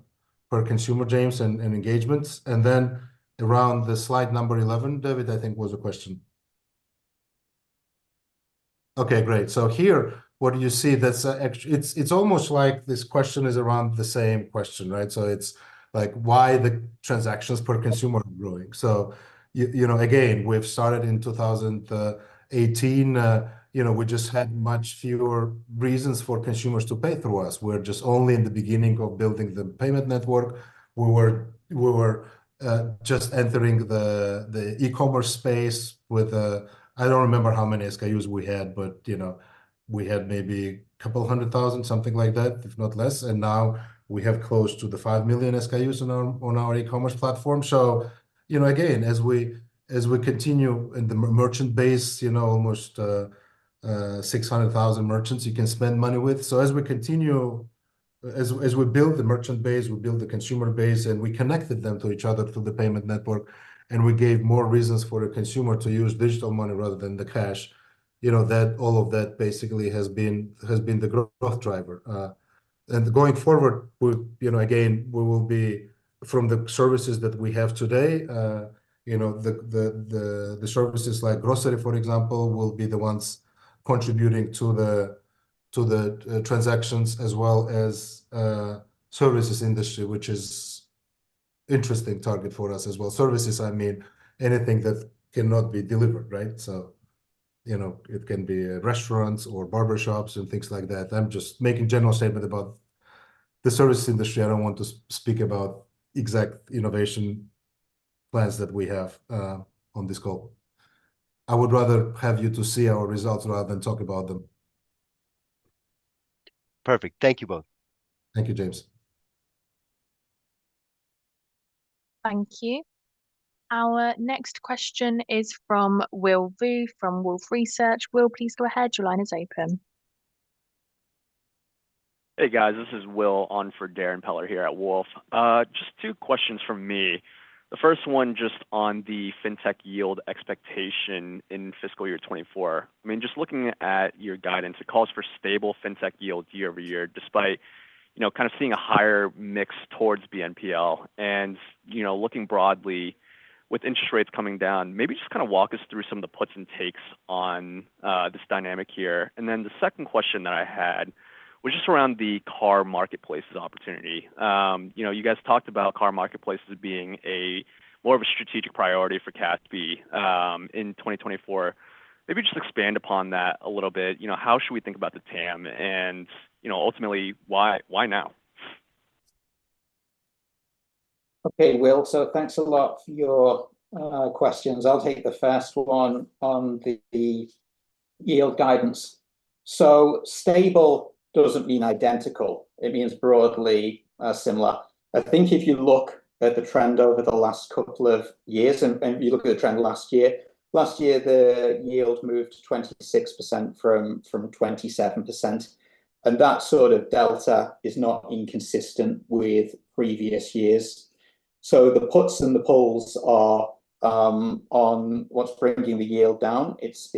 consumer, James, and engagements. And then around the slide number 11, David, I think was a question. Okay. Great. So here, what do you see that's an extra? It's almost like this question is around the same question, right? So it's like why the transactions per consumer are growing. So you know again, we've started in 2018. You know we just had much fewer reasons for consumers to pay through us. We're just only in the beginning of building the payment network. We were just entering the e-commerce space with, I don't remember how many SKUs we had, but you know we had maybe 200,000, something like that, if not less. And now we have close to 5 million SKUs on our e-commerce platform. So you know again, as we continue in the merchant base, you know almost 600,000 merchants you can spend money with. So as we continue as we build the merchant base, we build the consumer base, and we connected them to each other through the payment network, and we gave more reasons for a consumer to use digital money rather than the cash, you know that all of that basically has been the growth driver. Going forward, we you know again, we will be from the services that we have today, you know the services like grocery, for example, will be the ones contributing to the transactions as well as services industry, which is an interesting target for us as well. Services, I mean anything that cannot be delivered, right? So you know it can be restaurants or barbershops and things like that. I'm just making a general statement about the service industry. I don't want to speak about exact innovation plans that we have on this call. I would rather have you to see our results rather than talk about them. Perfect. Thank you both. Thank you, James. Thank you. Our next question is from Will Vu from Wolfe Research. Will, please go ahead. Your line is open. Hey, guys. This is Will on for Darrin Peller here at Wolfe. Just two questions from me. The first one just on the fintech yield expectation in fiscal year 2024. I mean, just looking at your guidance, it calls for stable fintech yield year over year despite you know kind of seeing a higher mix towards BNPL. And you know looking broadly with interest rates coming down, maybe just kind of walk us through some of the puts and takes on this dynamic here. And then the second question that I had was just around the car marketplace's opportunity. You know you guys talked about car marketplaces being a more of a strategic priority for Kaspi in 2024. Maybe just expand upon that a little bit. You know how should we think about the TAM? And you know ultimately, why why now? Okay, Will. So thanks a lot for your questions. I'll take the first one on the yield guidance. So stable doesn't mean identical. It means broadly similar. I think if you look at the trend over the last couple of years and you look at the trend last year, last year, the yield moved 26% from 27%. And that sort of delta is not inconsistent with previous years. So the puts and the pulls are on what's bringing the yield down. It's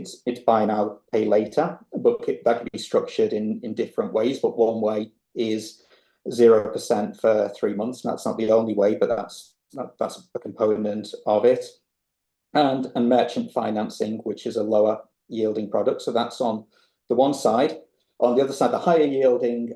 buy now, pay later. But that could be structured in different ways. But one way is 0% for three months. And that's not the only way, but that's a component of it. And merchant financing, which is a lower-yielding product. So that's on the one side. On the other side, the higher-yielding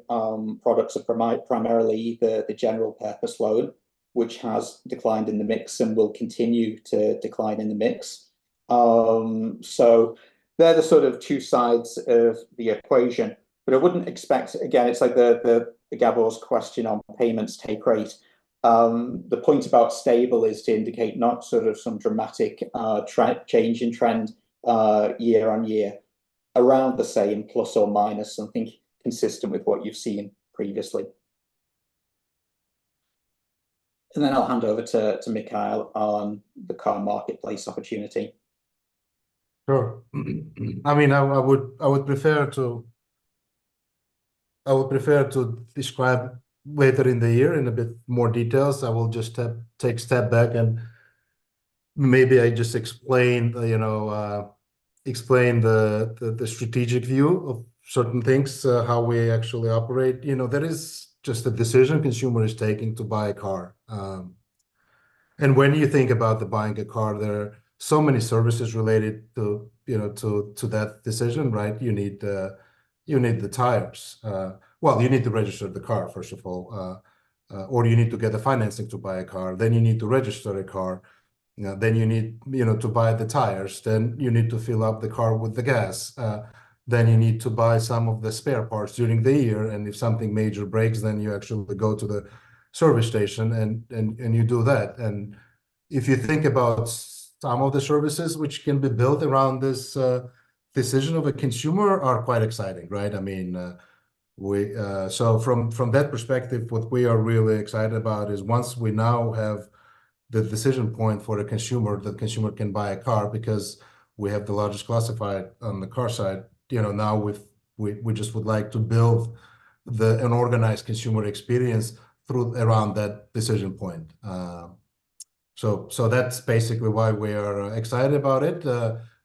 products are primarily the general-purpose loan, which has declined in the mix and will continue to decline in the mix. So they're the sort of two sides of the equation. But I wouldn't expect again, it's like the Gabor's question on payments take rate. The point about stable is to indicate not sort of some dramatic change in trend year on year, around the same plus or minus, I think consistent with what you've seen previously. And then I'll hand over to Mikheil on the car marketplace opportunity. Sure. I mean, I would prefer to describe later in the year in a bit more details. I will just take a step back and maybe I just explain, you know, the strategic view of certain things, how we actually operate. You know, there is just a decision consumer is taking to buy a car. And when you think about the buying a car, there are so many services related to, you know, that decision, right? You need the tires. Well, you need to register the car, first of all. Or you need to get the financing to buy a car. Then you need to register a car. Then you need, you know, to buy the tires. Then you need to fill up the car with the gas. Then you need to buy some of the spare parts during the year. And if something major breaks, then you actually go to the service station and you do that. And if you think about some of the services which can be built around this decision of a consumer are quite exciting, right? I mean, we so from that perspective, what we are really excited about is once we now have the decision point for a consumer, the consumer can buy a car because we have the largest classified on the car side, you know now we've just would like to build an organized consumer experience around that decision point. So that's basically why we are excited about it.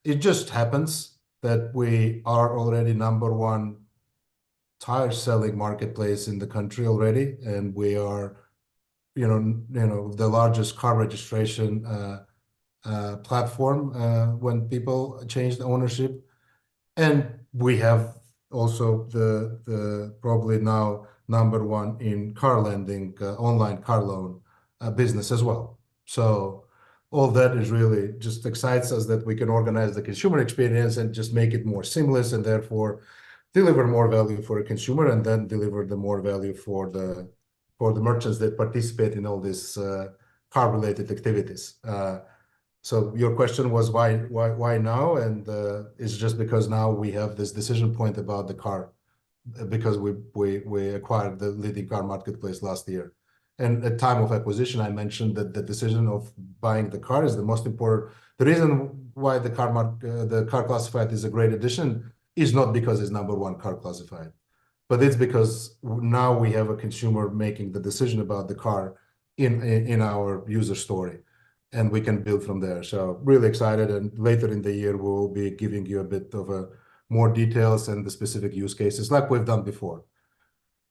It just happens that we are already number one tire-selling marketplace in the country already. And we are, you know, you know, the largest car registration platform when people change the ownership. And we have also the probably now number one in car lending, online car loan business as well. So all that is really just excites us that we can organize the consumer experience and just make it more seamless and therefore deliver more value for a consumer and then deliver more value for the merchants that participate in all these car-related activities. So your question was why why why now? And is it just because now we have this decision point about the car because we acquired the leading car marketplace last year? At time of acquisition, I mentioned that the decision of buying the car is the most important the reason why the car market the car classified is a great addition is not because it's number one car classified, but it's because now we have a consumer making the decision about the car in in our user story. We can build from there. Really excited. Later in the year, we will be giving you a bit of more details and the specific use cases like we've done before.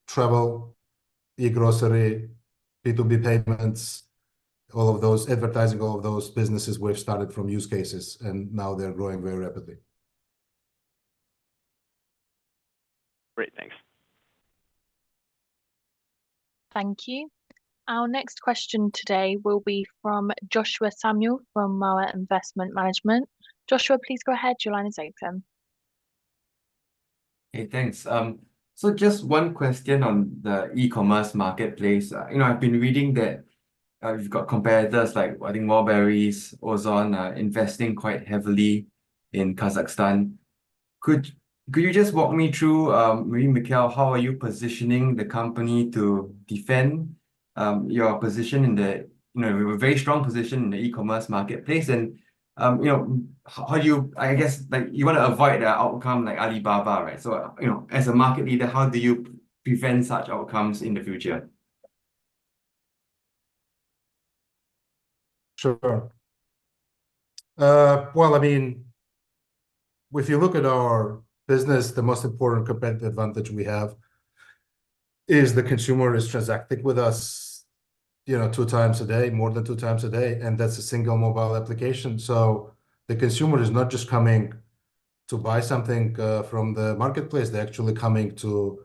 Travel, e-grocery, B2B payments, all of those advertising, all of those businesses we've started from use cases. Now they're growing very rapidly. Great. Thanks. Thank you. Our next question today will be from Joshua Samuel from Mawer Investment Management. Joshua, please go ahead. Your line is open. Hey, thanks. So just one question on the e-commerce marketplace. You know I've been reading that you've got competitors like, I think, Wildberries, Ozon, investing quite heavily in Kazakhstan. Could you just walk me through, maybe Mikheil, how are you positioning the company to defend your position in the, you know, a very strong position in the e-commerce marketplace? And you know how do you, I guess, like, you want to avoid an outcome like Alibaba, right? So you know as a market leader, how do you prevent such outcomes in the future? Sure. Well, I mean, if you look at our business, the most important competitive advantage we have is the consumer is transacting with us, you know, two times a day, more than two times a day. And that's a single mobile application. So the consumer is not just coming to buy something from the marketplace. They're actually coming to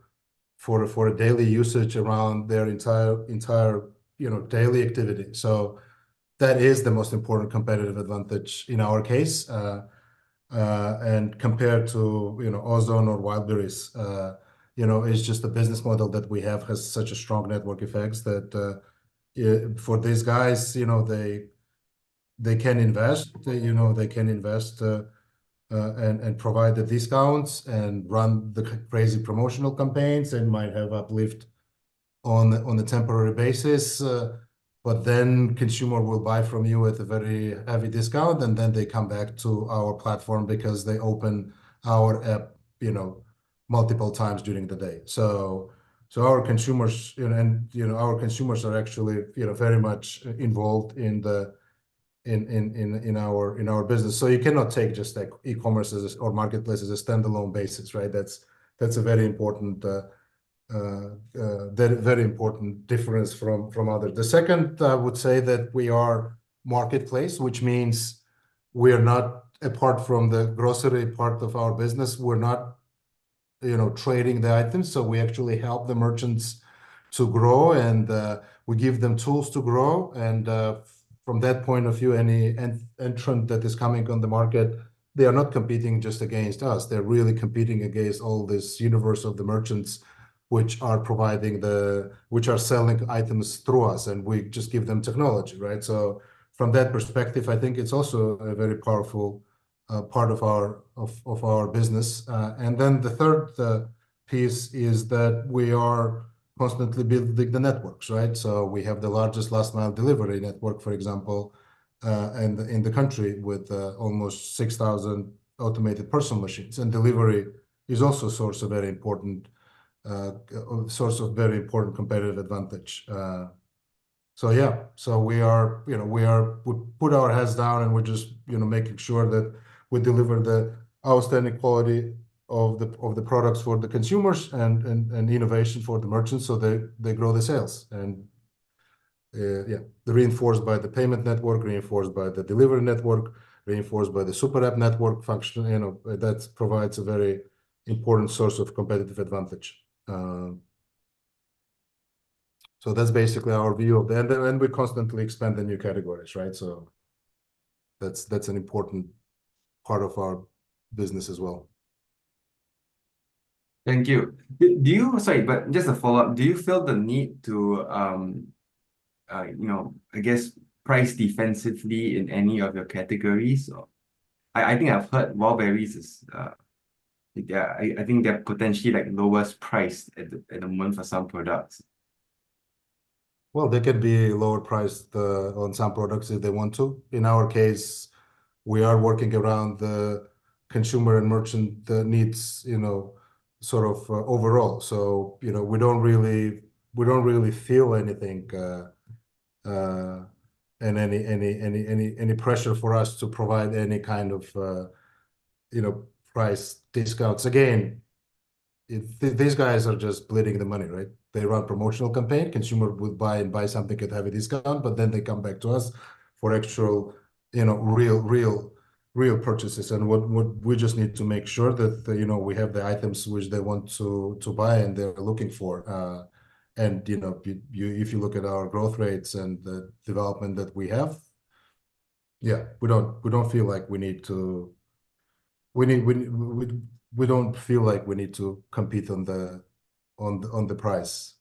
for a daily usage around their entire, you know, daily activity. So that is the most important competitive advantage in our case. And compared to, you know, Ozon or Wildberries, you know, it's just the business model that we have has such a strong network effects that for these guys, you know, they can invest. You know, they can invest and provide the discounts and run the crazy promotional campaigns and might have uplift on the temporary basis. But then consumer will buy from you at a very heavy discount. And then they come back to our platform because they open our app, you know, multiple times during the day. So our consumers, you know, are actually, you know, very much involved in our business. So you cannot take just like e-commerce as a or marketplace as a standalone basis, right? That's a very important difference from others. The second, I would say, that we are marketplace, which means we are not apart from the grocery part of our business. We're not, you know, trading the items. So we actually help the merchants to grow. And we give them tools to grow. From that point of view, any entrant that is coming on the market, they are not competing just against us. They're really competing against all this universe of the merchants which are selling items through us. And we just give them technology, right? So from that perspective, I think it's also a very powerful part of our business. And then the third piece is that we are constantly building the networks, right? So we have the largest last-mile delivery network, for example, in the country with almost 6,000 automated parcel machines. And delivery is also a source of very important competitive advantage. So yeah. So we are, you know, we are put our heads down. And we're just, you know, making sure that we deliver the outstanding quality of the products for the consumers and innovation for the merchants so they grow the sales. And yeah, reinforced by the payment network, reinforced by the delivery network, reinforced by the Super App network function, you know, that provides a very important source of competitive advantage. So that's basically our view of the and we constantly expand the new categories, right? So that's an important part of our business as well. Thank you. Sorry, but just a follow-up. Do you feel the need to, you know, I guess, price defensively in any of your categories? I think I've heard Wildberries is yeah, I think they're potentially like lowest priced at the moment for some products. Well, they can be lower priced on some products if they want to. In our case, we are working around the consumer and merchant needs, you know, sort of overall. So, you know, we don't really feel anything and any pressure for us to provide any kind of, you know, price discounts. Again, these guys are just bleeding the money, right? They run promotional campaign. Consumer would buy and buy something, get a heavy discount. But then they come back to us for actual, you know, real purchases. And what we just need to make sure that, you know, we have the items which they want to buy and they're looking for. You know, if you look at our growth rates and the development that we have, yeah, we don't feel like we need to compete on the price.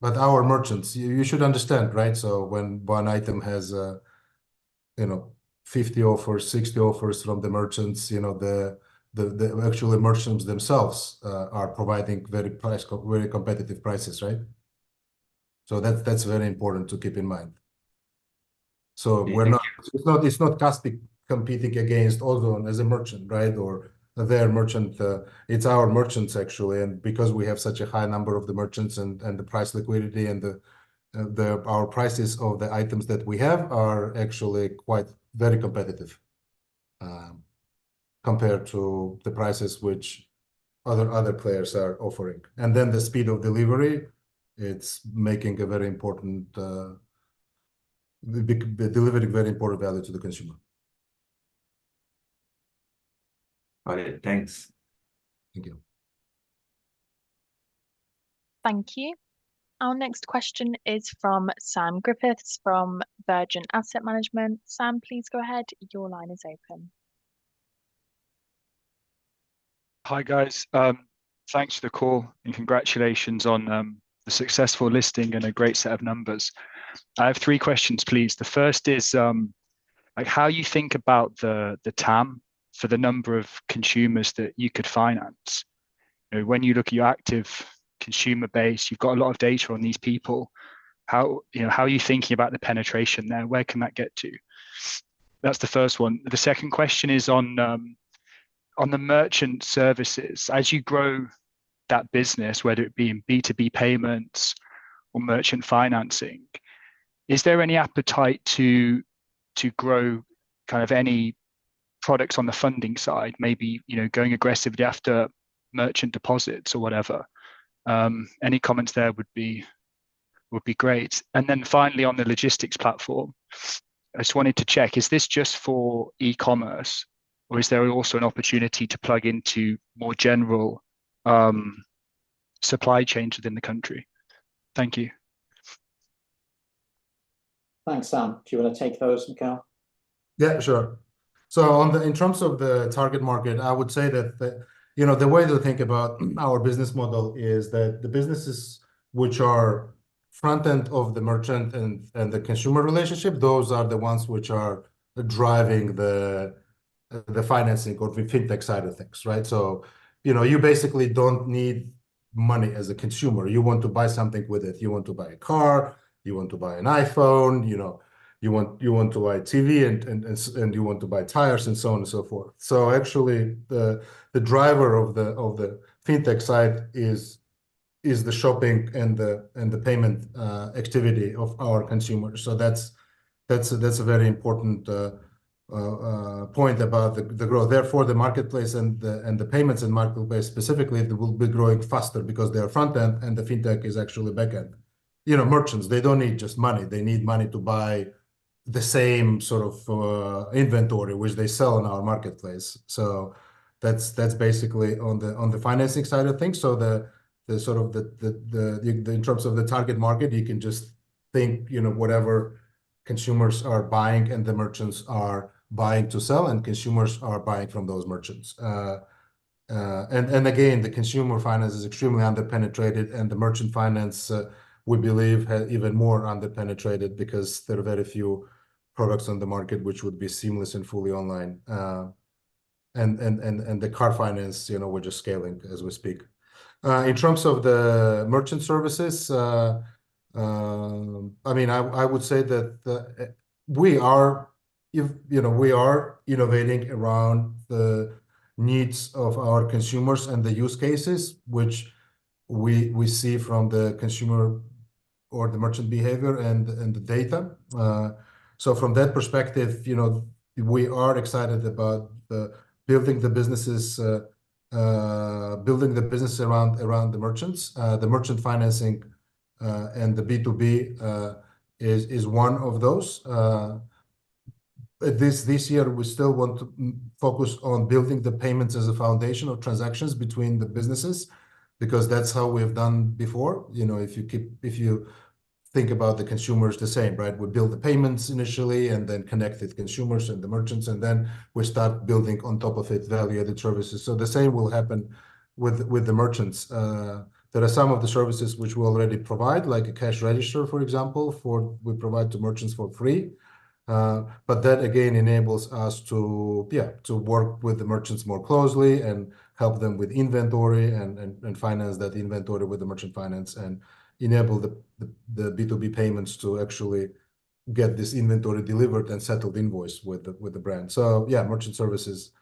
But our merchants, you should understand, right? So when one item has, you know, 50 offers, 60 offers from the merchants, you know, the actually merchants themselves are providing very competitive prices, right? So that's very important to keep in mind. So it's not Kaspi competing against Ozon as a merchant, right, or their merchant. It's our merchants, actually. Because we have such a high number of the merchants and the price liquidity and the our prices of the items that we have are actually quite very competitive compared to the prices which other players are offering. Then the speed of delivery, it's making a very important delivering very important value to the consumer. Got it. Thanks. Thank you. Thank you. Our next question is from Sam Griffiths from Vergent Asset Management. Sam, please go ahead. Your line is open. Hi, guys. Thanks for the call and congratulations on the successful listing and a great set of numbers. I have three questions, please. The first is, like, how you think about the TAM for the number of consumers that you could finance. You know, when you look at your active consumer base, you've got a lot of data on these people. How you know, how are you thinking about the penetration there? Where can that get to? That's the first one. The second question is on the merchant services. As you grow that business, whether it be in B2B payments or merchant financing. Is there any appetite to grow kind of any products on the funding side, maybe, you know, going aggressively after merchant deposits or whatever? Any comments there would be great. Then finally, on the logistics platform. I just wanted to check, is this just for e-commerce? Or is there also an opportunity to plug into more general supply chains within the country? Thank you. Thanks, Sam. Do you want to take those, Mikheil? Yeah, sure. So in terms of the target market, I would say that, you know, the way to think about our business model is that the businesses which are front end of the merchant and the consumer relationship, those are the ones which are driving the financing or the fintech side of things, right? So, you know, you basically don't need money as a consumer. You want to buy something with it. You want to buy a car. You want to buy an iPhone, you know. You want to buy a TV and you want to buy tires and so on and so forth. So actually, the driver of the fintech side is the shopping and the payment activity of our consumers. So that's a very important point about the growth. Therefore, the marketplace and the payments and marketplace specifically, they will be growing faster because they are front end and the fintech is actually back end. You know, merchants, they don't need just money. They need money to buy the same sort of inventory which they sell in our marketplace. So that's basically on the financing side of things. So the sort of in terms of the target market, you can just think, you know, whatever consumers are buying and the merchants are buying to sell and consumers are buying from those merchants. And again, the consumer finance is extremely underpenetrated. And the merchant finance, we believe, has even more underpenetrated because there are very few products on the market which would be seamless and fully online. And the car finance, you know, we're just scaling as we speak. In terms of the merchant services, I mean, I would say that we are, you know, we are innovating around the needs of our consumers and the use cases which we see from the consumer or the merchant behavior and the data. So from that perspective, you know, we are excited about building the business around the merchants. The merchant financing and the B2B is one of those. This year, we still want to focus on building the payments as a foundation of transactions between the businesses because that's how we have done before. You know, if you think about the consumers the same, right? We build the payments initially and then connect with consumers and the merchants. And then we start building on top of it value-added services. So the same will happen with the merchants. There are some of the services which we already provide, like a cash register, for example, we provide to merchants for free. But that again enables us to, yeah, to work with the merchants more closely and help them with inventory and finance that inventory with the merchant finance and enable the B2B payments to actually get this inventory delivered and settled invoice with the brand. So yeah, merchant services,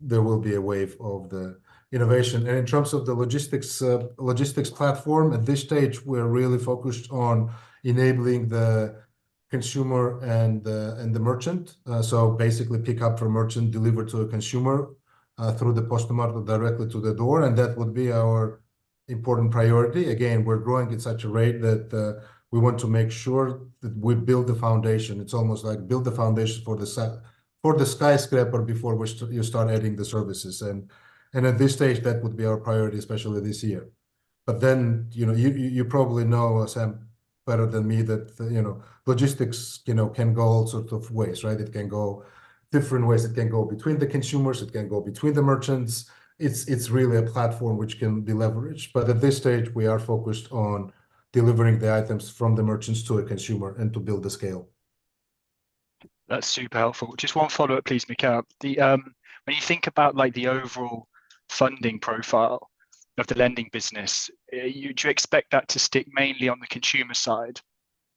there will be a wave of the innovation. And in terms of the logistics platform, at this stage, we're really focused on enabling the consumer and the merchant. So basically, pick up from merchant, deliver to a consumer through the Postomat directly to the door. And that would be our important priority. Again, we're growing at such a rate that we want to make sure that we build the foundation. It's almost like build the foundation for the skyscraper before which you start adding the services. And at this stage, that would be our priority, especially this year. But then, you know, you probably know, Sam, better than me that, you know, logistics, you know, can go all sorts of ways, right? It can go different ways. It can go between the consumers. It can go between the merchants. It's really a platform which can be leveraged. But at this stage, we are focused on delivering the items from the merchants to a consumer and to build the scale. That's super helpful. Just one follow-up, please, Mikheil. When you think about like the overall funding profile of the lending business, do you expect that to stick mainly on the consumer side,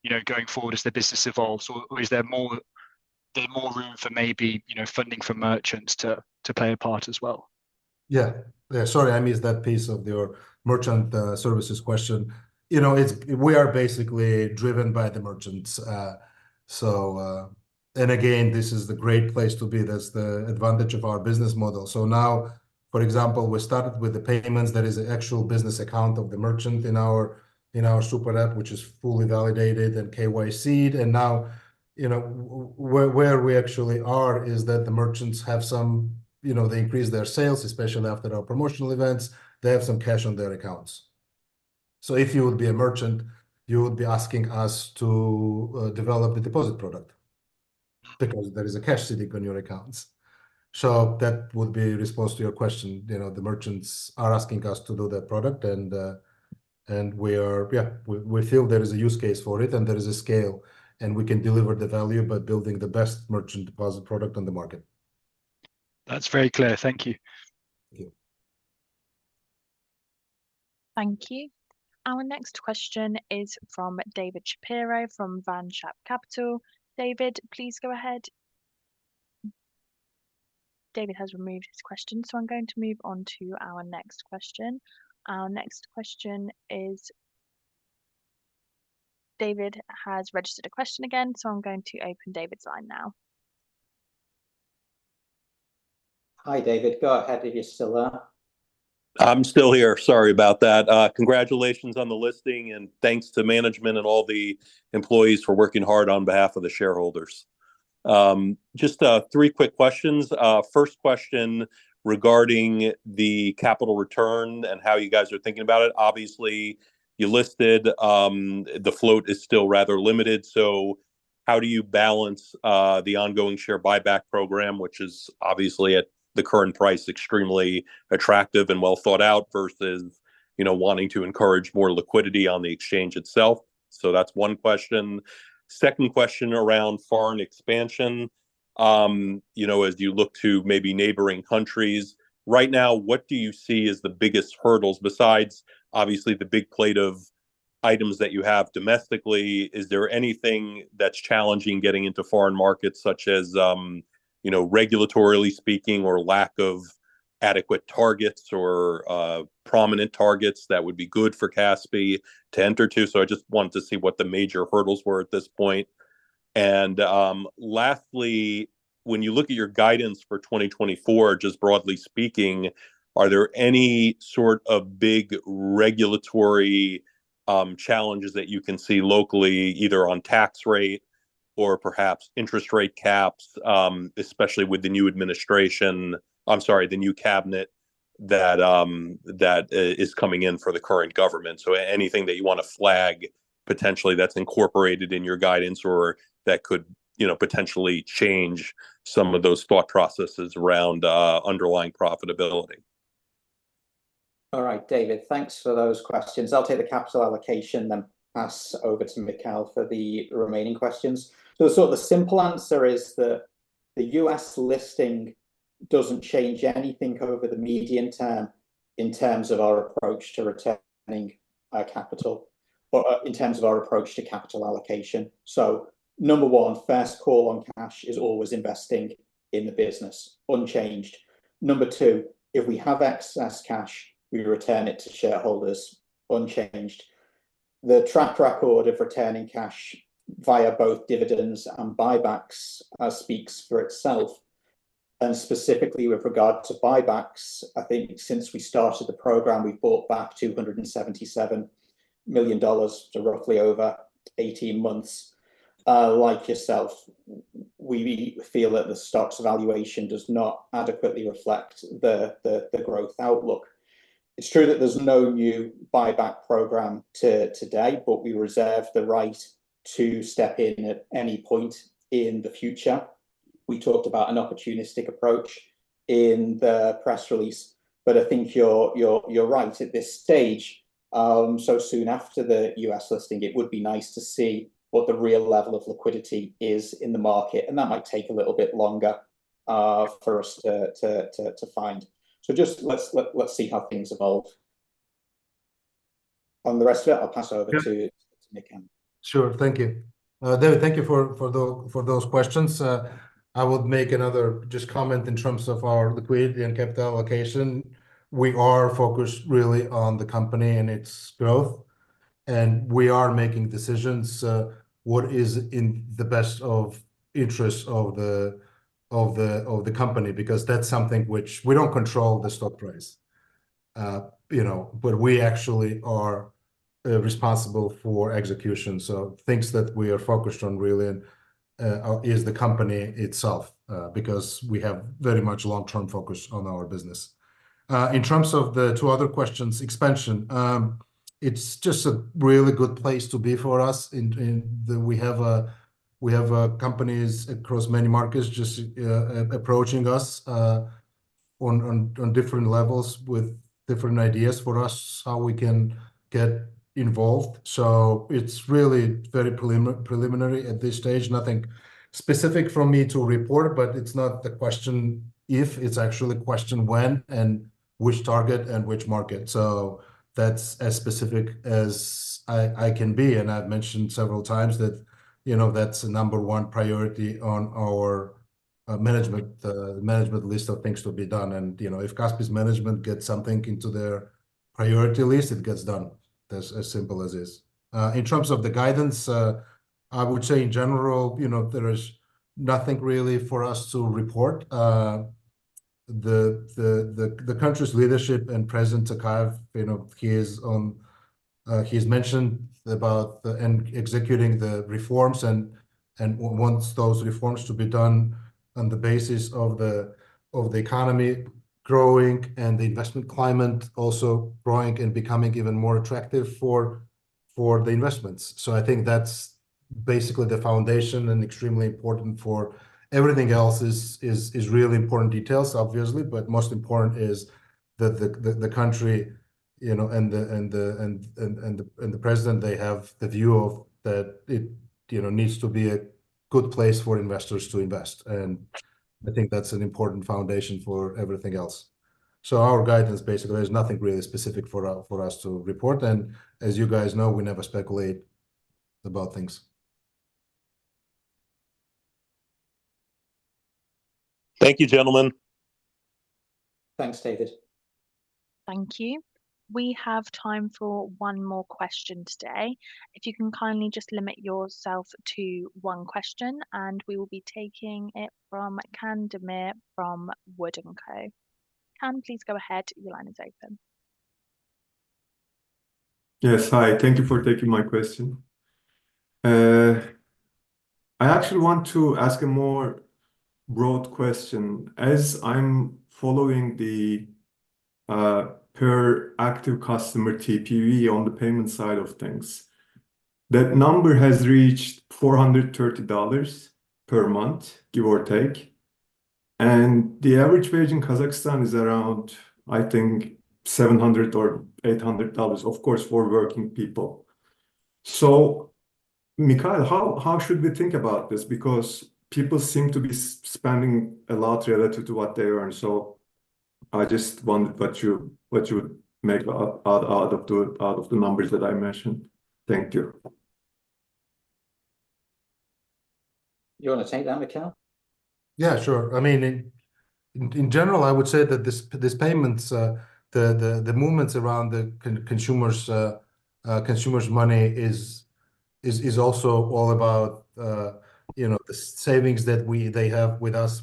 you know, going forward as the business evolves? Or is there more there more room for maybe, you know, funding from merchants to to play a part as well? Yeah. Yeah. Sorry, I missed that piece of your merchant services question. You know, it's we are basically driven by the merchants. So and again, this is the great place to be. That's the advantage of our business model. So now, for example, we started with the payments. There is an actual business account of the merchant in our super app, which is fully validated and KYC'd. And now, you know, where we actually are is that the merchants have some you know, they increase their sales, especially after our promotional events. They have some cash on their accounts. So if you would be a merchant, you would be asking us to develop the deposit product because there is a cash sitting on your accounts. So that would be a response to your question. You know, the merchants are asking us to do that product. And we are yeah, we feel there is a use case for it. And there is a scale. And we can deliver the value by building the best merchant deposit product on the market. That's very clear. Thank you. Thank you. Thank you. Our next question is from David Shapiro from Vanshap Capital. David, please go ahead. David has removed his question. So I'm going to move on to our next question. Our next question is. David has registered a question again. So I'm going to open David's line now. Hi, David. Go ahead, if you are still there. I'm still here. Sorry about that. Congratulations on the listing. Thanks to management and all the employees for working hard on behalf of the shareholders. Just three quick questions. First question regarding the capital return and how you guys are thinking about it. Obviously, you listed, the float is still rather limited. So how do you balance the ongoing share buyback program, which is obviously at the current price extremely attractive and well thought out versus, you know, wanting to encourage more liquidity on the exchange itself? So that's one question. Second question around foreign expansion. You know, as you look to maybe neighboring countries, right now, what do you see as the biggest hurdles besides, obviously, the big plate of items that you have domestically? Is there anything that's challenging getting into foreign markets, such as, you know, regulatorily speaking or lack of adequate targets or prominent targets that would be good for Kaspi to enter to? So I just wanted to see what the major hurdles were at this point. And lastly, when you look at your guidance for 2024, just broadly speaking, are there any sort of big regulatory challenges that you can see locally, either on tax rate or perhaps interest rate caps, especially with the new administration? I'm sorry, the new cabinet that is coming in for the current government? So anything that you want to flag potentially that's incorporated in your guidance or that could, you know, potentially change some of those thought processes around underlying profitability? All right, David. Thanks for those questions. I'll take the capital allocation and pass over to Mikheil for the remaining questions. So the sort of simple answer is that the U.S. listing doesn't change anything over the medium term in terms of our approach to returning capital or in terms of our approach to capital allocation. So number one, first call on cash is always investing in the business, unchanged. Number two, if we have excess cash, we return it to shareholders, unchanged. The track record of returning cash via both dividends and buybacks speaks for itself. And specifically with regard to buybacks, I think since we started the program, we've bought back $277 million. So roughly over 18 months like yourself, we feel that the stock's valuation does not adequately reflect the growth outlook. It's true that there's no new buyback program as of today, but we reserve the right to step in at any point in the future. We talked about an opportunistic approach in the press release, but I think you're right at this stage. So soon after the US listing, it would be nice to see what the real level of liquidity is in the market. And that might take a little bit longer for us to find. So just let's see how things evolve. On the rest of it, I'll pass over to Mikheil. Sure. Thank you. David, thank you for those questions. I would make another just comment in terms of our liquidity and capital allocation. We are focused really on the company and its growth. And we are making decisions. What is in the best interest of the company because that's something which we don't control the stock price, you know, but we actually are responsible for execution. So things that we are focused on really and is the company itself because we have very much long-term focus on our business. In terms of the two other questions, expansion. It's just a really good place to be for us in the we have companies across many markets just approaching us on different levels with different ideas for us how we can get involved. So it's really very preliminary at this stage. Nothing specific for me to report, but it's not the question if. It's actually a question when and which target and which market. So that's as specific as I I can be. And I've mentioned several times that, you know, that's a number one priority on our management the management list of things to be done. And, you know, if Kaspi's management gets something into their priority list, it gets done. That's as simple as it is. In terms of the guidance, I would say in general, you know, there is nothing really for us to report. The country's leadership and President Tokayev, you know, he has mentioned about executing the reforms and wants those reforms to be done on the basis of the economy growing and the investment climate also growing and becoming even more attractive for the investments. So I think that's basically the foundation and extremely important for everything else is really important details, obviously. But most important is that the country, you know, and the president, they have the view that it, you know, needs to be a good place for investors to invest. And I think that's an important foundation for everything else. So our guidance, basically, there's nothing really specific for us to report. And as you guys know, we never speculate about things. Thank you, gentlemen. Thanks, David. Thank you. We have time for one more question today. If you can kindly just limit yourself to one question, and we will be taking it from Can Demir from Wood & Co. Can, please go ahead. Your line is open. Yes. Hi. Thank you for taking my question. I actually want to ask a more broad question. As I'm following the per-active customer TPV on the payment side of things, that number has reached $430 per month, give or take. And the average wage in Kazakhstan is around, I think, $700 or $800, of course, for working people. So Mikheil, how should we think about this? Because people seem to be spending a lot relative to what they earn. So I just wondered what you would make out of the numbers that I mentioned. Thank you. You want to take that, Mikheil? Yeah, sure. I mean, in general, I would say that this payments the movements around the consumers' money is also all about, you know, the savings that they have with us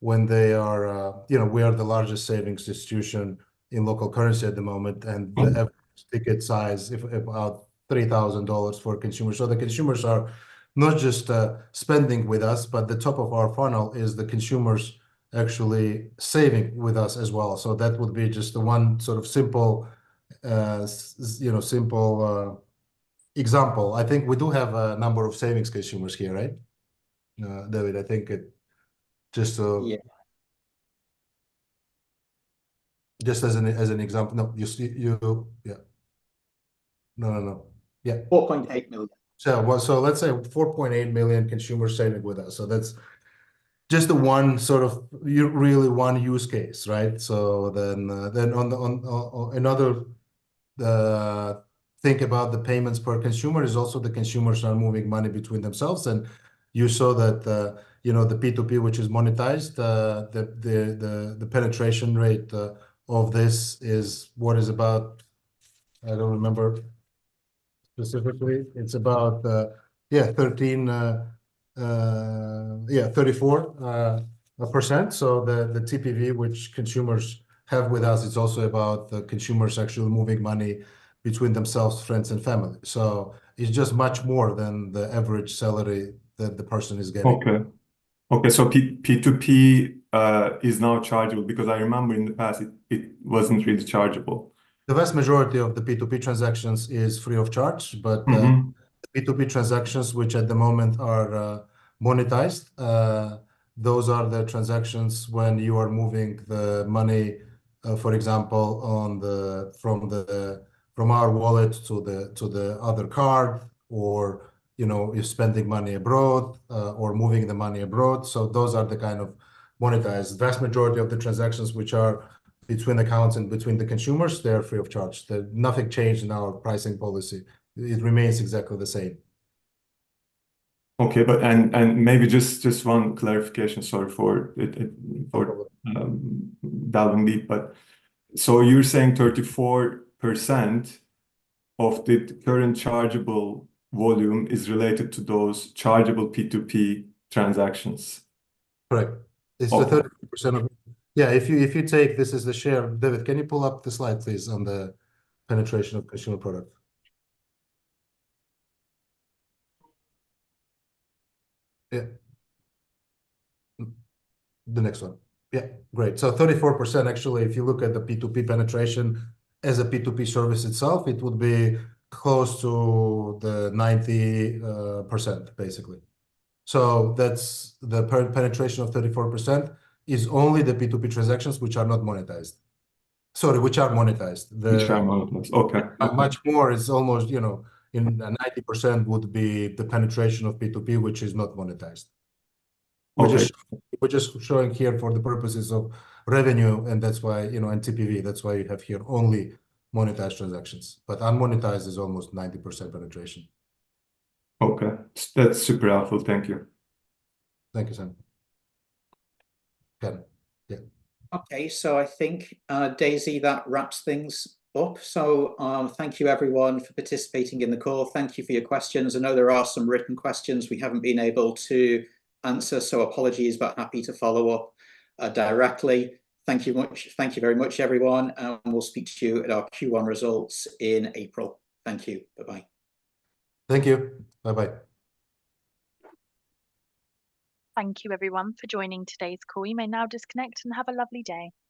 when they are you know, we are the largest savings institution in local currency at the moment. And the average ticket size is about $3,000 for consumers. So the consumers are not just spending with us, but the top of our funnel is the consumers actually saving with us as well. So that would be just the one sort of simple you know, simple example. I think we do have a number of savings consumers here, right, David? I think it just to. Yeah. Just as an example. No, you yeah. No, no, no. Yeah. 4.8 million. So let's say 4.8 million consumers saving with us. So that's just the one sort of you really one use case, right? So then on another thing about the payments per consumer is also the consumers are moving money between themselves. And you saw that, you know, the P2P, which is monetized, the penetration rate of this is what is about I don't remember specifically. It's about, yeah, 13%-34%. So the TPV, which consumers have with us, it's also about the consumers actually moving money between themselves, friends, and family. So it's just much more than the average salary that the person is getting. Okay. Okay. So P2P is now chargeable because I remember in the past, it wasn't really chargeable. The vast majority of the P2P transactions is free of charge. But the P2P transactions, which at the moment are monetized, those are the transactions when you are moving the money, for example, from our wallet to the other card or, you know, you're spending money abroad or moving the money abroad. So those are the kind of monetized. The vast majority of the transactions, which are between accounts and between the consumers, they are free of charge. Nothing changed in our pricing policy. It remains exactly the same. Okay. But maybe just one clarification. Sorry for delving deep. But so you're saying 34% of the current chargeable volume is related to those chargeable P2P transactions? Correct. It's the 34% of, yeah. If you take, this is the share. David, can you pull up the slide, please, on the penetration of consumer product? Yeah. The next one. Yeah. Great. So 34%, actually, if you look at the P2P penetration as a P2P service itself, it would be close to the 90%, basically. So that's the penetration of 34% is only the P2P transactions, which are not monetized. Sorry, which are monetized. Which are monetized. Okay. Much more is almost, you know, 90% would be the penetration of P2P, which is not monetized. We're just showing here for the purposes of revenue, and that's why, you know, and TPV. That's why you have here only monetized transactions. But unmonetized is almost 90% penetration. Okay. That's super helpful. Thank you. Thank you, Sam. Can. Yeah. Okay. So I think, Daisy, that wraps things up. So thank you, everyone, for participating in the call. Thank you for your questions. I know there are some written questions we haven't been able to answer, so apologies, but happy to follow up directly. Thank you much thank you very much, everyone. And we'll speak to you at our Q1 results in April. Thank you. Bye-bye. Thank you. Bye-bye. Thank you, everyone, for joining today's call. You may now disconnect and have a lovely day.